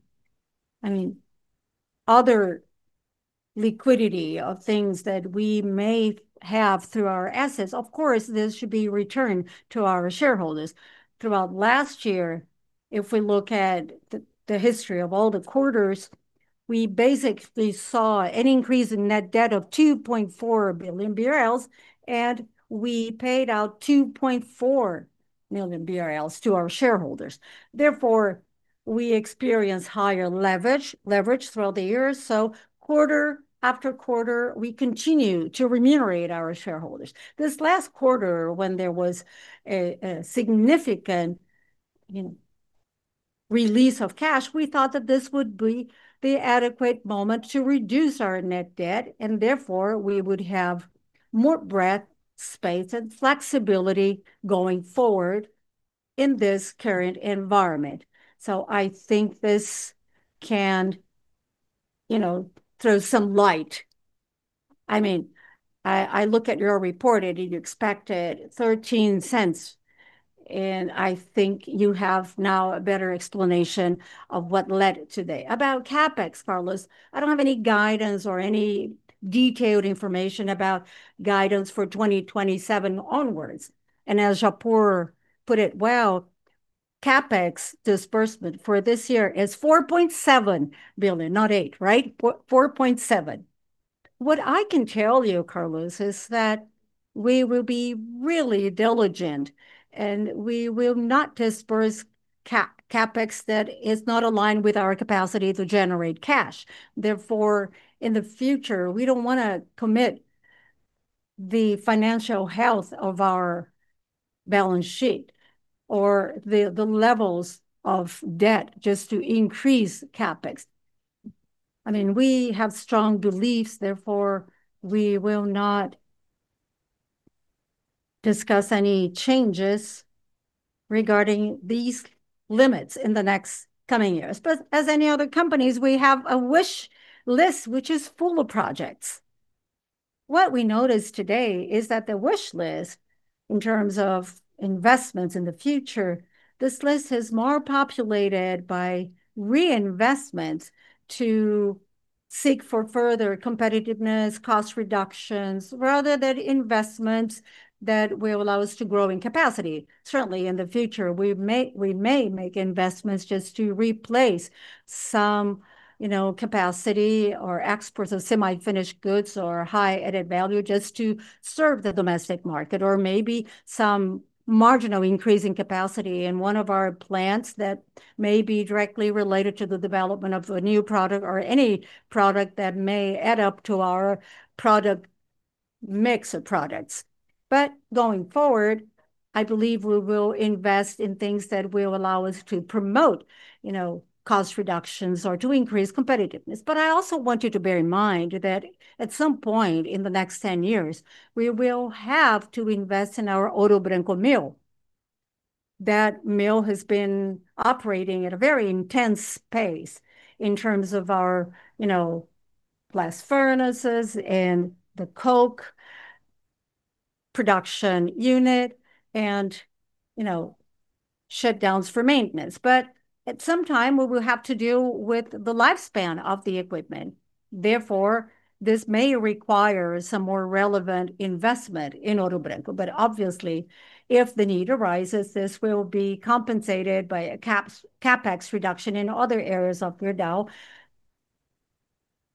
Speaker 3: I mean, other liquidity of things that we may have through our assets, of course, this should be returned to our shareholders. Throughout last year, if we look at the history of all the quarters, we basically saw an increase in net debt of 2.4 billion BRL, and we paid out 2.4 million BRL to our shareholders. We experienced higher leverage throughout the year, so quarter after quarter, we continue to remunerate our shareholders. This last quarter, when there was a significant, you know, release of cash, we thought that this would be the adequate moment to reduce our net debt, and therefore, we would have more breadth, space, and flexibility going forward in this current environment. I think this can, you know, throw some light. I mean, I look at your report, and you expected 0.13, and I think you have now a better explanation of what led today.
Speaker 2: About CapEx, Carlos, I don't have any guidance or any detailed information about guidance for 2027 onwards. As Japur put it well, CapEx disbursement for this year is 4.7 billion, not 8, right? 4.7. What I can tell you, Carlos, is that we will be really diligent, and we will not disperse CapEx that is not aligned with our capacity to generate cash. In the future, we don't wanna commit the financial health of our balance sheet or the levels of debt just to increase CapEx. I mean, we have strong beliefs, therefore, we will not discuss any changes regarding these limits in the next coming years. As any other companies, we have a wish list which is full of projects. What we notice today is that the wish list, in terms of investments in the future, this list is more populated by reinvestments to seek for further competitiveness, cost reductions, rather than investments that will allow us to grow in capacity. Certainly, in the future, we may make investments just to replace some, you know, capacity or exports of semi-finished goods or high added value just to serve the domestic market, or maybe some marginal increase in capacity in one of our plants that may be directly related to the development of a new product or any product that may add up to our product mix of products. Going forward, I believe we will invest in things that will allow us to promote, you know, cost reductions or to increase competitiveness. I also want you to bear in mind that at some point in the next 10 years, we will have to invest in our Ouro Branco mill. That mill has been operating at a very intense pace in terms of our, you know, glass furnaces and the coke production unit and, you know, shutdowns for maintenance. At some time, we will have to deal with the lifespan of the equipment, therefore, this may require some more relevant investment in Ouro Branco. Obviously, if the need arises, this will be compensated by a CapEx reduction in other areas of Gerdau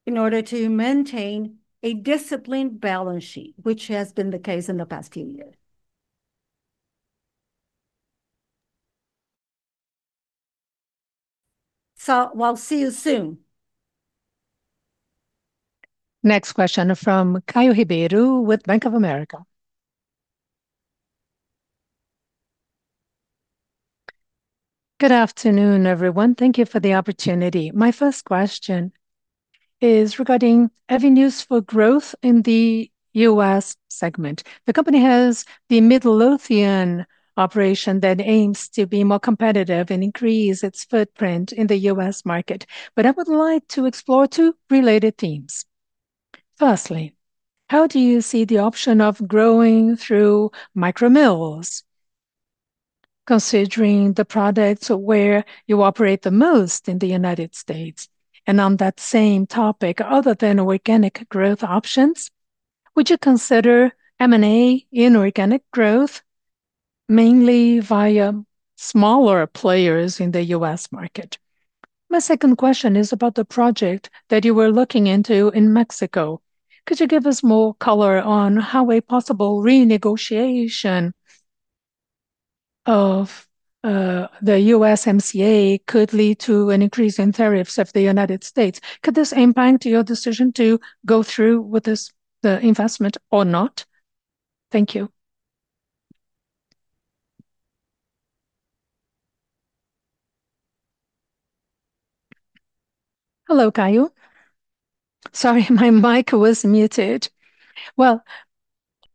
Speaker 2: in order to maintain a disciplined balance sheet, which has been the case in the past few years. We'll see you soon.
Speaker 4: Next question from Caio Ribeiro with Bank of America.
Speaker 8: Good afternoon, everyone. Thank you for the opportunity. My first question is regarding avenues for growth in the U.S. segment. The company has the Midlothian operation that aims to be more competitive and increase its footprint in the U.S. market. I would like to explore 2 related themes. Firstly, how do you see the option of growing through micro-mills, considering the products where you operate the most in the United States? On that same topic, other than organic growth options, would you consider M&A inorganic growth, mainly via smaller players in the U.S. market? My second question is about the project that you were looking into in Mexico. Could you give us more color on how a possible renegotiation of the USMCA could lead to an increase in tariffs of the United States? Could this impact your decision to go through with this, the investment or not? Thank you.
Speaker 2: Hello, Caio. Sorry, my mic was muted. Well,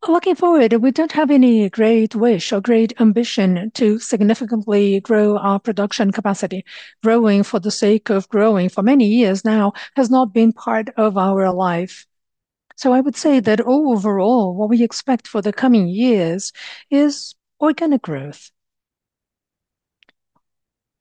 Speaker 2: looking forward, we don't have any great wish or great ambition to significantly grow our production capacity. Growing for the sake of growing for many years now has not been part of our life. I would say that overall, what we expect for the coming years is organic growth,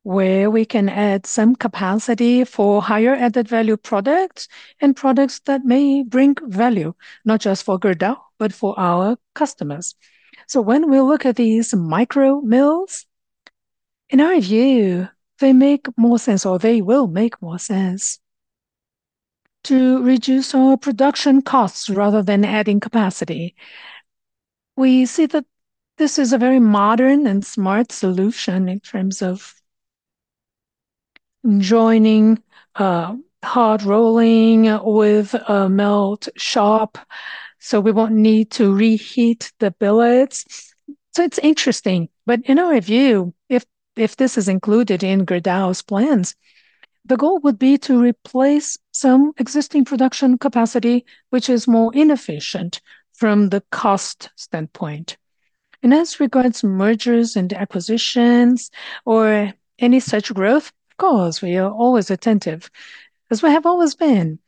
Speaker 2: where we can add some capacity for higher added-value products and products that may bring value, not just for Gerdau, but for our customers. When we look at these micro-mills, in our view, they make more sense or they will make more sense to reduce our production costs rather than adding capacity. We see that this is a very modern and smart solution in terms of joining hard rolling with a melt shop, so we won't need to reheat the billets. It's interesting. In our view, if this is included in Gerdau's plans, the goal would be to replace some existing production capacity, which is more inefficient from the cost standpoint. As regards mergers and acquisitions or any such growth, of course, we are always attentive, as we have always been.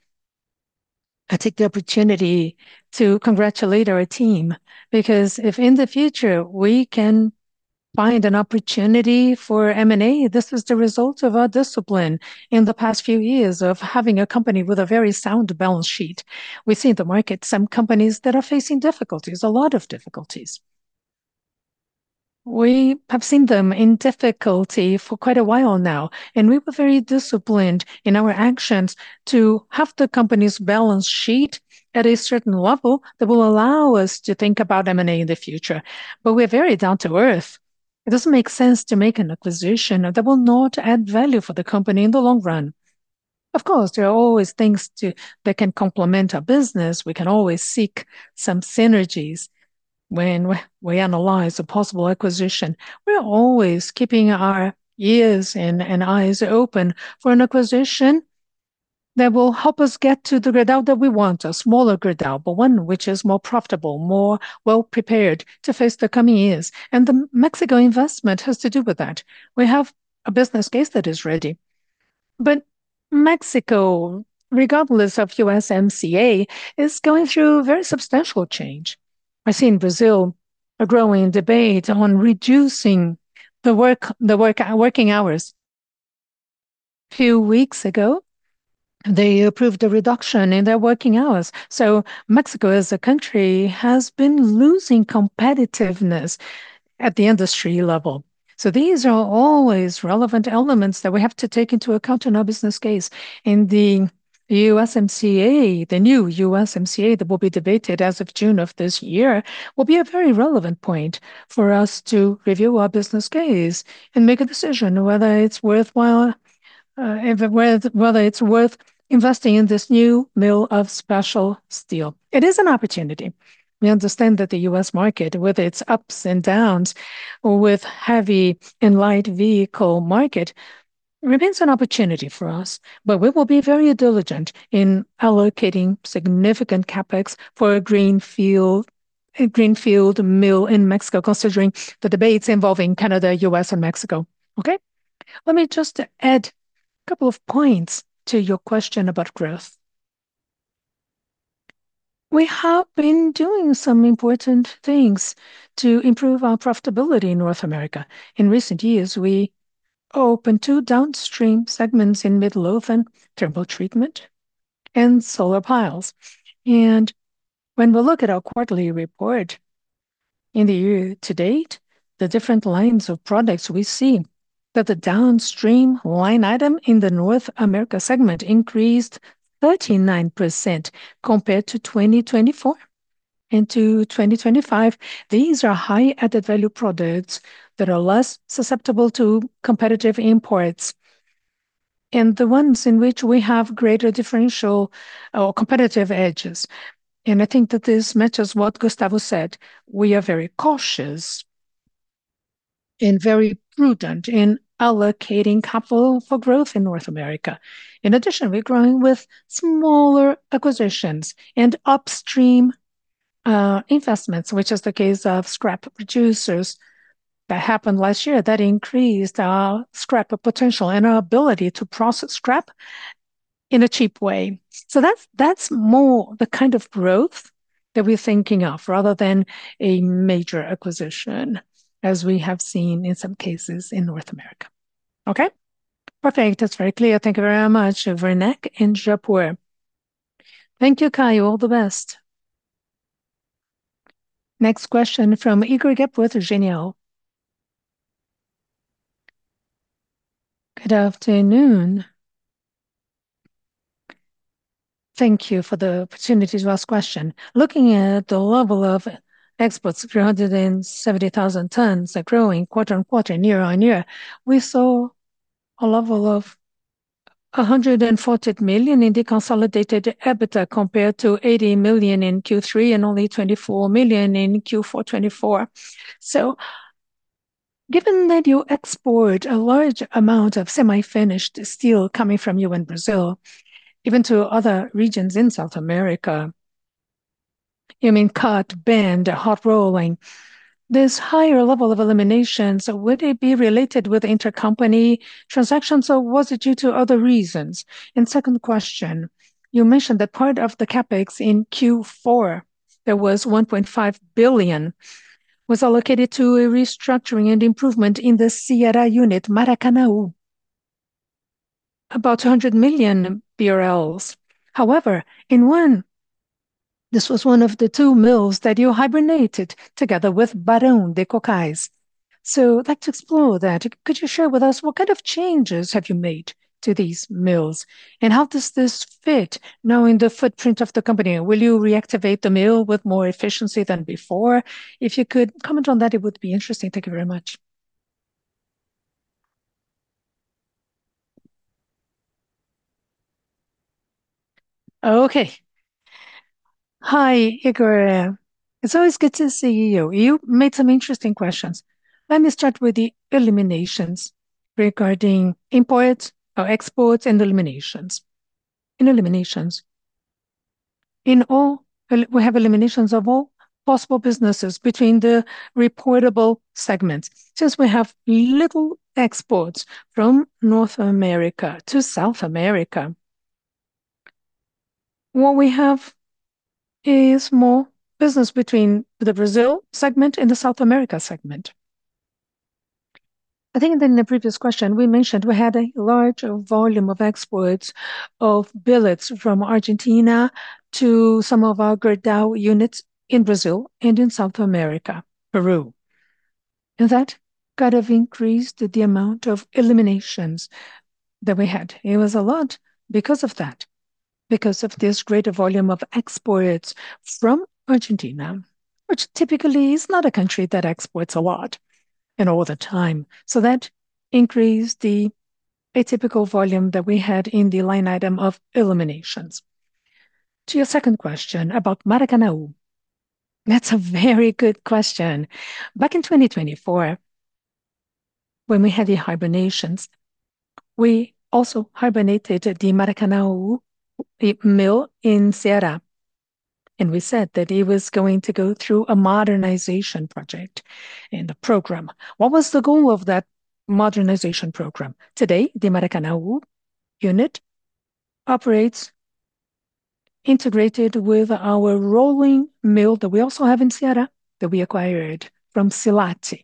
Speaker 2: I take the opportunity to congratulate our team, because if in the future we can find an opportunity for M&A, this is the result of our discipline in the past few years of having a company with a very sound balance sheet. We see in the market some companies that are facing difficulties, a lot of difficulties. We have seen them in difficulty for quite a while now, and we were very disciplined in our actions to have the company's balance sheet at a certain level that will allow us to think about M&A in the future. We're very down-to-earth. It doesn't make sense to make an acquisition that will not add value for the company in the long run. Of course, there are always things that can complement our business. We can always seek some synergies when we analyze a possible acquisition. We are always keeping our ears and eyes open for an acquisition that will help us get to the Gerdau that we want, a smaller Gerdau, but one which is more profitable, more well-prepared to face the coming years, and the Mexico investment has to do with that. We have a business case that is ready. Mexico, regardless of USMCA, is going through very substantial change. I see in Brazil a growing debate on reducing working hours. Few weeks ago, they approved a reduction in their working hours. Mexico, as a country, has been losing competitiveness at the industry level. These are always relevant elements that we have to take into account in our business case. The USMCA, the new USMCA, that will be debated as of June of this year, will be a very relevant point for us to review our business case and make a decision whether it's worthwhile, whether it's worth investing in this new mill of special steel. It is an opportunity. We understand that the U.S. market, with its ups and downs, with heavy and light vehicle market, remains an opportunity for us. We will be very diligent in allocating significant CapEx for a greenfield mill in Mexico, considering the debates involving Canada, U.S., and Mexico. Okay?
Speaker 3: Let me just add a couple of points to your question about growth. We have been doing some important things to improve our profitability in North America. In recent years, we opened 2 downstream segments in Midlothian, thermal treatment and solar piles. When we look at our quarterly report in the year-to-date, the different lines of products, we see that the downstream line item in the North America segment increased 39% compared to 2024. Into 2025, these are high added-value products that are less susceptible to competitive imports, and the ones in which we have greater differential or competitive edges. I think that this matches what Gustavo said, we are very cautious and very prudent in allocating capital for growth in North America. In addition, we're growing with smaller acquisitions and upstream investments, which is the case of scrap producers that happened last year, that increased our scrap potential and our ability to process scrap in a cheap way. That's more the kind of growth that we're thinking of, rather than a major acquisition, as we have seen in some cases in North America. Okay?
Speaker 8: Perfect. That's very clear. Thank you very much, Vernec and Japur.
Speaker 2: Thank you, Caio. All the best.
Speaker 4: Next question from Igor Gepur with Genial.
Speaker 9: Good afternoon. Thank you for the opportunity to ask question. Looking at the level of exports, 370,000 tons are growing quarter-over-quarter and year-over-year. We saw a level of 140 million in the consolidated EBITDA, compared to 80 million in Q3, and only 24 million in Q4 2024. Given that you export a large amount of semi-finished steel coming from you in Brazil, even to other regions in South America, you mean cut, bend, hot rolling, this higher level of eliminations, would it be related with intercompany transactions, or was it due to other reasons? Second question: you mentioned that part of the CapEx in Q4, there was 1.5 billion, was allocated to a restructuring and improvement in the Ceará unit, Maracanaú, about BRL 100 million. However, in one, this was one of the 2 mills that you hibernated together with Barão de Cocais. I'd like to explore that. Could you share with us what kind of changes have you made to these mills, and how does this fit now in the footprint of the company? Will you reactivate the mill with more efficiency than before? If you could comment on that, it would be interesting. Thank you very much.
Speaker 3: Okay. Hi, Igor. It's always good to see you. You made some interesting questions. Let me start with the eliminations regarding imports or exports and eliminations. In eliminations, we have eliminations of all possible businesses between the reportable segments. Since we have little exports from North America to South America, what we have is more business between the Brazil segment and the South America segment. I think in the previous question, we mentioned we had a large volume of exports of billets from Argentina to some of our Gerdau units in Brazil and in South America, Peru, and that kind of increased the amount of eliminations that we had. It was a lot because of that, because of this greater volume of exports from Argentina, which typically is not a country that exports a lot and all the time. That increased the atypical volume that we had in the line item of eliminations. To your second question about Maracanaú, that's a very good question. Back in 2024, when we had the hibernations, we also hibernated the Maracanaú, the mill in Ceará, and we said that it was going to go through a modernization project in the program. What was the goal of that modernization program? Today, the Maracanaú unit operates integrated with our rolling mill, that we also have in Ceará, that we acquired from Silat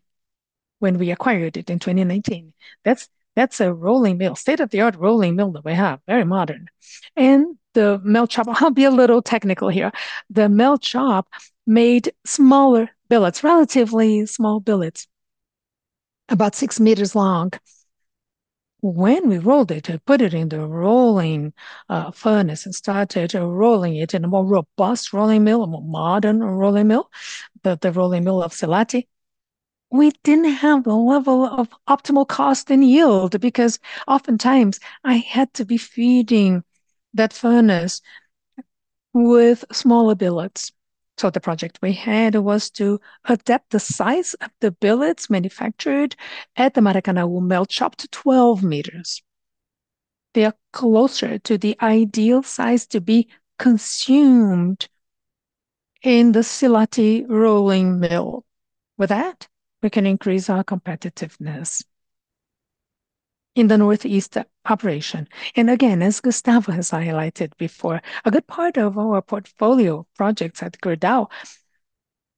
Speaker 3: when we acquired it in 2019. That's a rolling mill, state-of-the-art rolling mill that we have, very modern. The melt shop. I'll be a little technical here. The melt shop made smaller billets, relatively small billets, about 6 meters long. When we rolled it and put it in the rolling furnace and started rolling it in a more robust rolling mill, a more modern rolling mill, the rolling mill of Seleti, we didn't have a level of optimal cost and yield, because oftentimes I had to be feeding that furnace with smaller billets. The project we had was to adapt the size of the billets manufactured at the Maracanaú melt shop to 12 meters. They are closer to the ideal size to be consumed in the Seleti rolling mill. With that, we can increase our competitiveness in the Northeast operation. Again, as Gustavo has highlighted before, a good part of our portfolio projects at Gerdau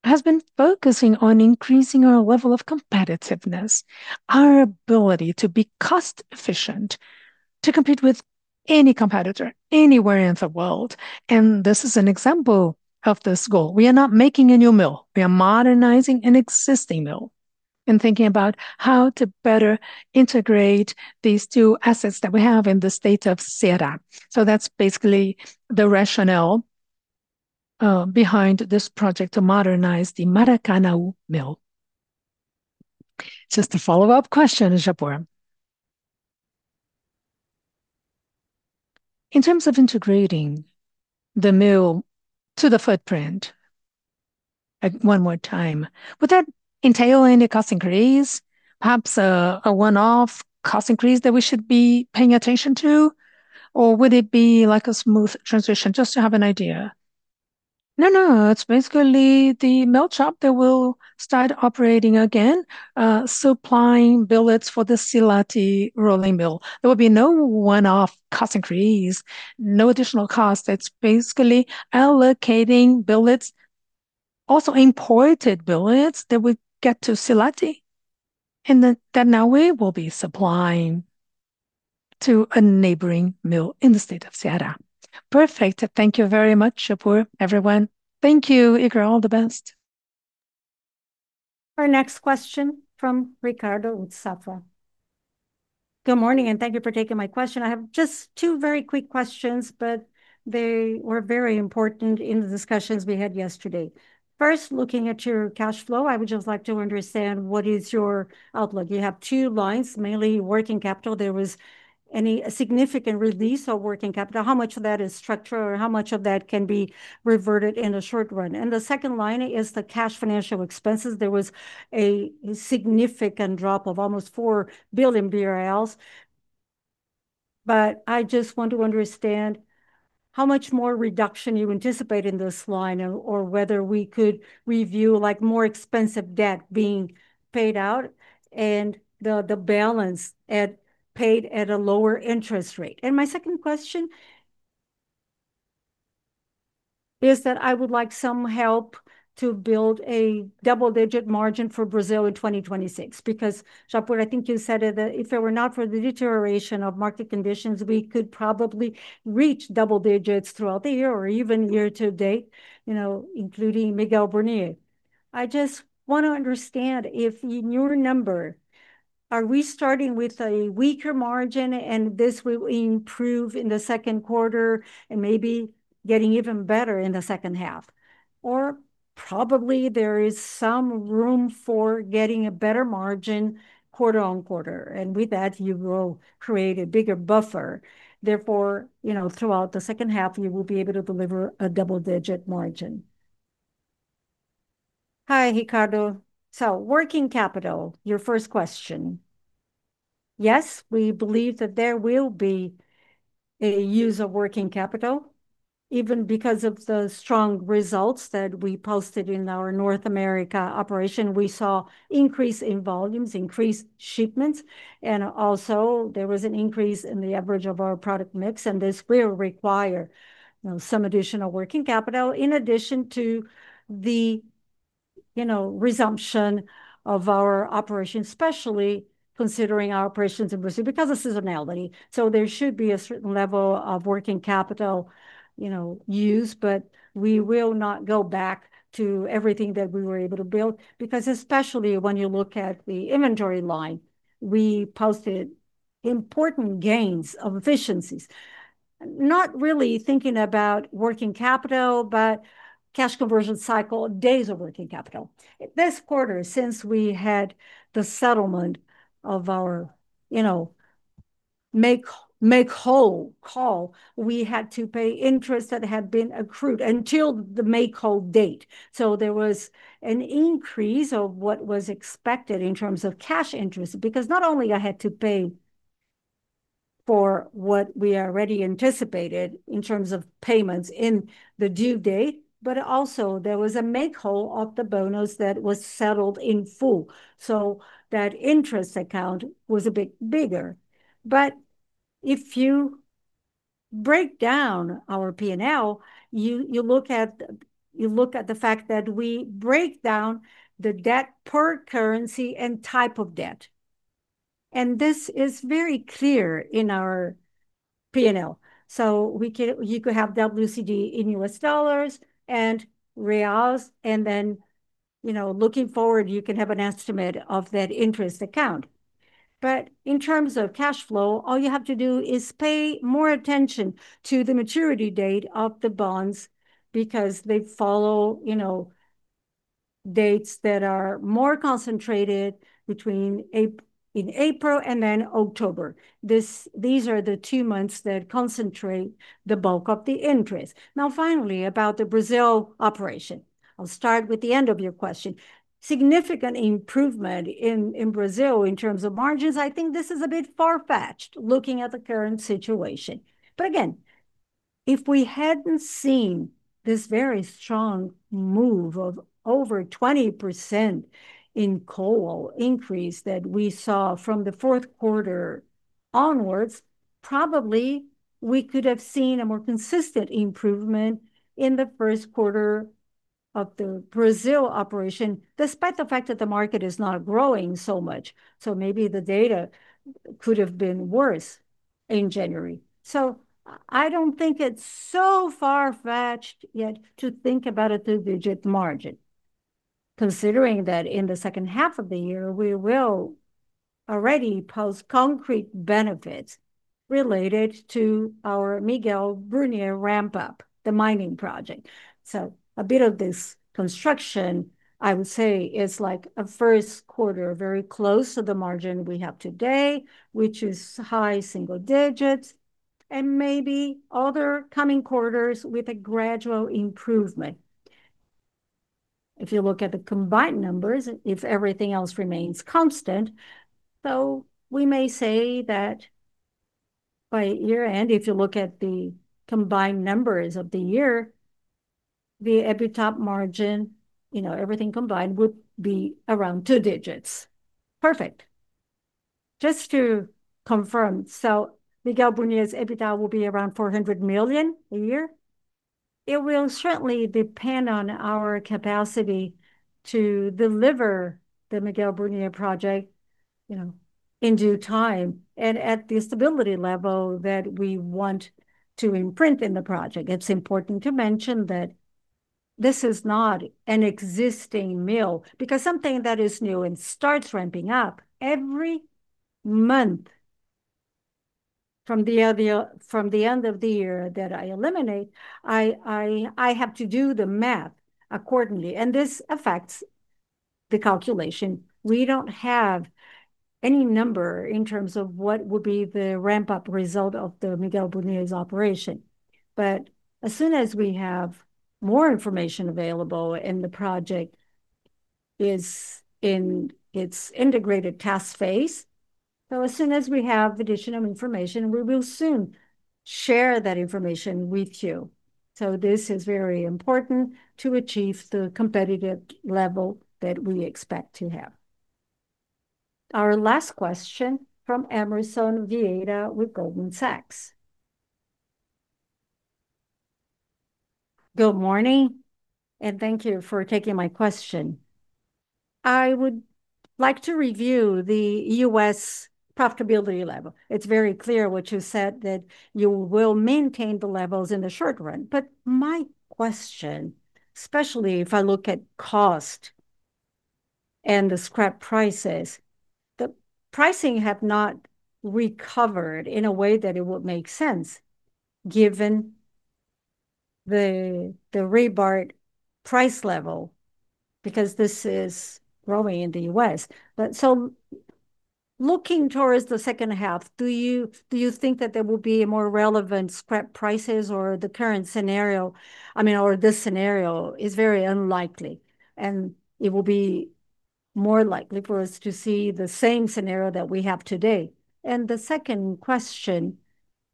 Speaker 3: has been focusing on increasing our level of competitiveness, our ability to be cost-efficient, to compete with any competitor anywhere in the world, and this is an example of this goal. We are not making a new mill, we are modernizing an existing mill and thinking about how to better integrate these 2 assets that we have in the state of Ceará. That's basically the rationale behind this project to modernize the Maracanaú mill.
Speaker 9: Just a follow-up question, Japur. In terms of integrating the mill to the footprint, one more time, would that entail any cost increase?
Speaker 3: Perhaps a one-off cost increase that we should be paying attention to, or would it be like a smooth transition, just to have an idea? No, no, it's basically the melt shop that will start operating again, supplying billets for the Seleti rolling mill. There will be no one-off cost increase, no additional cost. It's basically allocating billets, also imported billets, that will get to Seleti, and then, that now we will be supplying to a neighboring mill in the state of Ceará.
Speaker 9: Perfect. Thank you very much, Japur. Everyone,
Speaker 3: Thank you, Igor. All the best.
Speaker 4: Our next question from Ricardo with Safra.
Speaker 10: Good morning, and thank you for taking my question. I have just 2 very quick questions, but they were very important in the discussions we had yesterday. First, looking at your cash flow, I would just like to understand what is your outlook? You have 2 lines, mainly working capital. There was any significant release of working capital. How much of that is structure, or how much of that can be reverted in the short run? The second line is the cash financial expenses. There was a significant drop of almost 4 billion BRL, but I just want to understand how much more reduction you anticipate in this line, or whether we could review, like, more expensive debt being paid out and the balance paid at a lower interest rate. My second question is that I would like some help to build a double-digit margin for Brazil in 2026. Japur, I think you said that if it were not for the deterioration of market conditions, we could probably reach double digits throughout the year or even year-to-date, you know, including Miguel Burnier. I just want to understand if, in your number, are we starting with a weaker margin, and this will improve in the Q2 and maybe getting even better in the H2? Or probably there is some room for getting a better margin quarter-on-quarter, and with that, you will create a bigger buffer. Therefore, you know, throughout the H2, you will be able to deliver a double-digit margin.
Speaker 3: Hi, Ricardo. Working capital, your first question. Yes, we believe that there will be a use of working capital, even because of the strong results that we posted in our North America operation. We saw increase in volumes, increased shipments, and also there was an increase in the average of our product mix, and this will require, you know, some additional working capital, in addition to the, you know, resumption of our operations, especially considering our operations in Brazil, because of seasonality. There should be a certain level of working capital, you know, used, but we will not go back to everything that we were able to build. Especially when you look at the inventory line, we posted important gains of efficiencies. Not really thinking about working capital, but cash conversion cycle, days of working capital. This quarter, since we had the settlement of our, you know, make-whole call, we had to pay interest that had been accrued until the make-whole date. There was an increase of what was expected in terms of cash interest, because not only I had to pay for what we already anticipated in terms of payments in the due date, but also there was a make-whole of the bonus that was settled in full. That interest account was a bit bigger. If you break down our P&L, you look at the fact that we break down the debt per currency and type of debt. This is very clear in our P&L. You could have WCD in U.S. dollars and reals, you know, looking forward, you can have an estimate of that interest account. In terms of cash flow, all you have to do is pay more attention to the maturity date of the bonds, because they follow, you know, dates that are more concentrated in April and then October. These are the 2 months that concentrate the bulk of the interest. Finally, about the Brazil operation. I'll start with the end of your question. Significant improvement in Brazil in terms of margins, I think this is a bit far-fetched, looking at the current situation. Again, if we hadn't seen this very strong move of over 20% in coal increase that we saw from the 4th quarter onwards, probably we could have seen a more consistent improvement in the Q1 of the Brazil operation, despite the fact that the market is not growing so much. Maybe the data could have been worse in January. I don't think it's so far-fetched yet to think about a 2-digit margin, considering that in the H2 of the year, we will already post concrete benefits related to our Miguel Burnier ramp-up, the mining project. A bit of this construction, I would say, is like a Q1, very close to the margin we have today, which is high single digits, and maybe other coming quarters with a gradual improvement. If you look at the combined numbers, if everything else remains constant, we may say that by year-end, if you look at the combined numbers of the year, the EBITDA margin, you know, everything combined, would be around 2 digits. Perfect. Just to confirm, Miguel Burnier's EBITDA will be around 400 million a year? It will certainly depend on our capacity to deliver the Miguel Burnier project, you know, in due time and at the stability level that we want to imprint in the project. It's important to mention that this is not an existing mill, because something that is new and starts ramping up every month from the end of the year that I eliminate, I have to do the math accordingly, and this affects the calculation. We don't have any number in terms of what would be the ramp-up result of the Miguel Burnier's operation. As soon as we have more information available, and the project is in its integrated task phase, so as soon as we have additional information, we will soon share that information with you. This is very important to achieve the competitive level that we expect to have.
Speaker 4: Our last question from Emerson Vieira with Goldman Sachs.
Speaker 11: Good morning, and thank you for taking my question. I would like to review the U.S. profitability level. It's very clear what you said, that you will maintain the levels in the short run. My question, especially if I look at cost and the scrap prices, the pricing have not recovered in a way that it would make sense, given the rebar price level, because this is growing in the US. Looking towards the H2, do you think that there will be a more relevant scrap prices or the current scenario, I mean, or this scenario is very unlikely, and it will be more likely for us to see the same scenario that we have today? The second question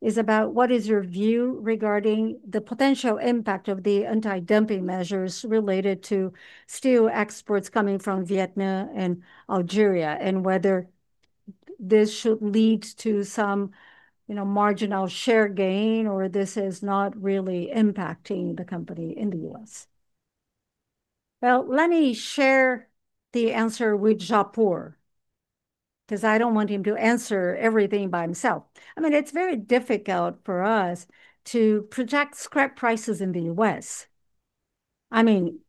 Speaker 11: is about, what is your view regarding the potential impact of the anti-dumping measures related to steel exports coming from Vietnam and Algeria, and whether this should lead to some, you know, marginal share gain, or this is not really impacting the company in the U.S.?
Speaker 2: Well, let me share the answer with Japur, because I don't want him to answer everything by himself. I mean, it's very difficult for us to project scrap prices in the U.S. I mean,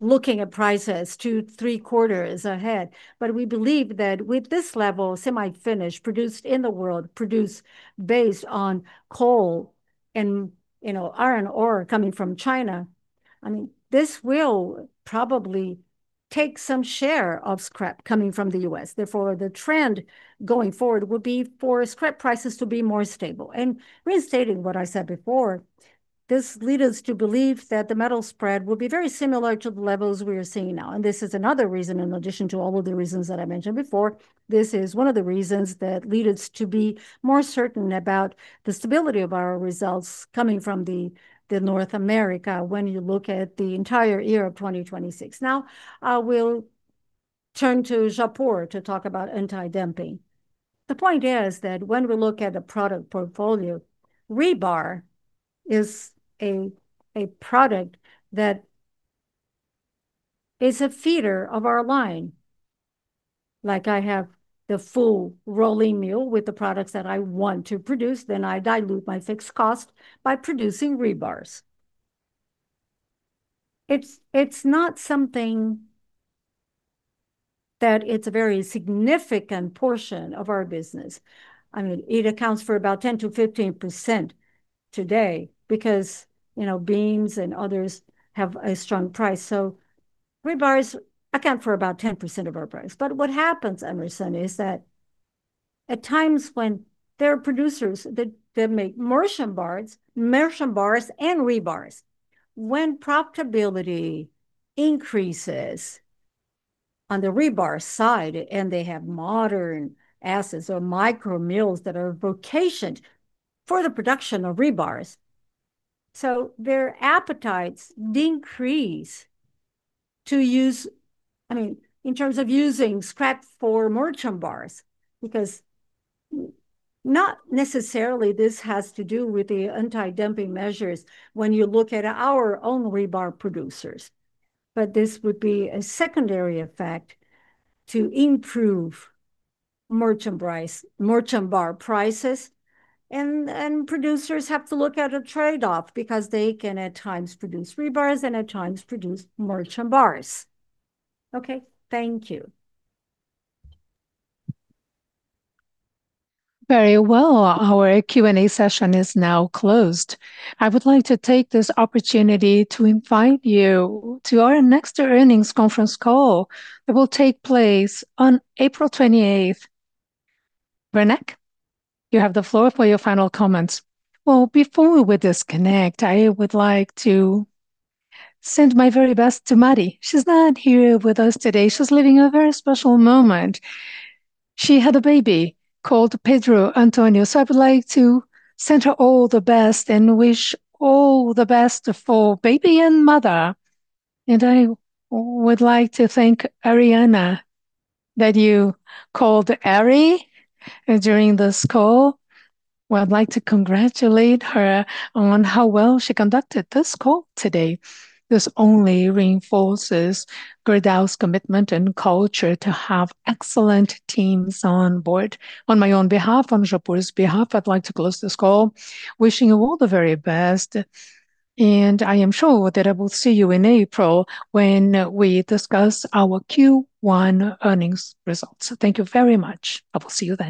Speaker 2: looking at prices 2, 3 quarters ahead. We believe that with this level, semi-finished, produced in the world, produced based on coal and, you know, iron ore coming from China, I mean, this will probably take some share of scrap coming from the U.S. Therefore, the trend going forward would be for scrap prices to be more stable. Reinstating what I said before, this lead us to believe that the metal spread will be very similar to the levels we are seeing now. This is another reason, in addition to all of the reasons that I mentioned before, this is one of the reasons that lead us to be more certain about the stability of our results coming from the North America when you look at the entire year of 2026. Now, I will turn to Rafael Japur to talk about anti-dumping.
Speaker 3: The point is that when we look at the product portfolio, rebar is a product that is a feeder of our line. Like I have the full rolling mill with the products that I want to produce, then I dilute my fixed cost by producing rebars. It's not something that it's a very significant portion of our business. I mean, it accounts for about 10%-15% today because, you know, beams and others have a strong price. Rebars account for about 10% of our price. What happens, Emerson, is that at times when there are producers that make merchant bars and rebars, when profitability increases on the rebar side, and they have modern assets or micro-mills that are vocationed for the production of rebars, their appetites decrease to use, I mean, in terms of using scrap for merchant bars, because not necessarily this has to do with the anti-dumping measures when you look at our own rebar producers. This would be a secondary effect to improve merchant price, merchant bar prices, and producers have to look at a trade-off, because they can at times produce rebars and at times produce merchant bars.
Speaker 11: Okay, thank you.
Speaker 4: Very well. Our Q&A session is now closed. I would like to take this opportunity to invite you to our next earnings conference call that will take place on April 28th. Werneck, you have the floor for your final comments.
Speaker 2: Well, before we disconnect, I would like to send my very best to Maddie. She's not here with us today. She's living a very special moment. She had a baby called Pedro Antonio, so I would like to send her all the best and wish all the best for baby and mother. I would like to thank Ariana, that you called Ari during this call. Well, I'd like to congratulate her on how well she conducted this call today. This only reinforces Gerdau's commitment and culture to have excellent teams on board. On my own behalf, on Japur's behalf, I'd like to close this call, wishing you all the very best, and I am sure that I will see you in April when we discuss our Q1 earnings results. Thank you very much. I will see you then.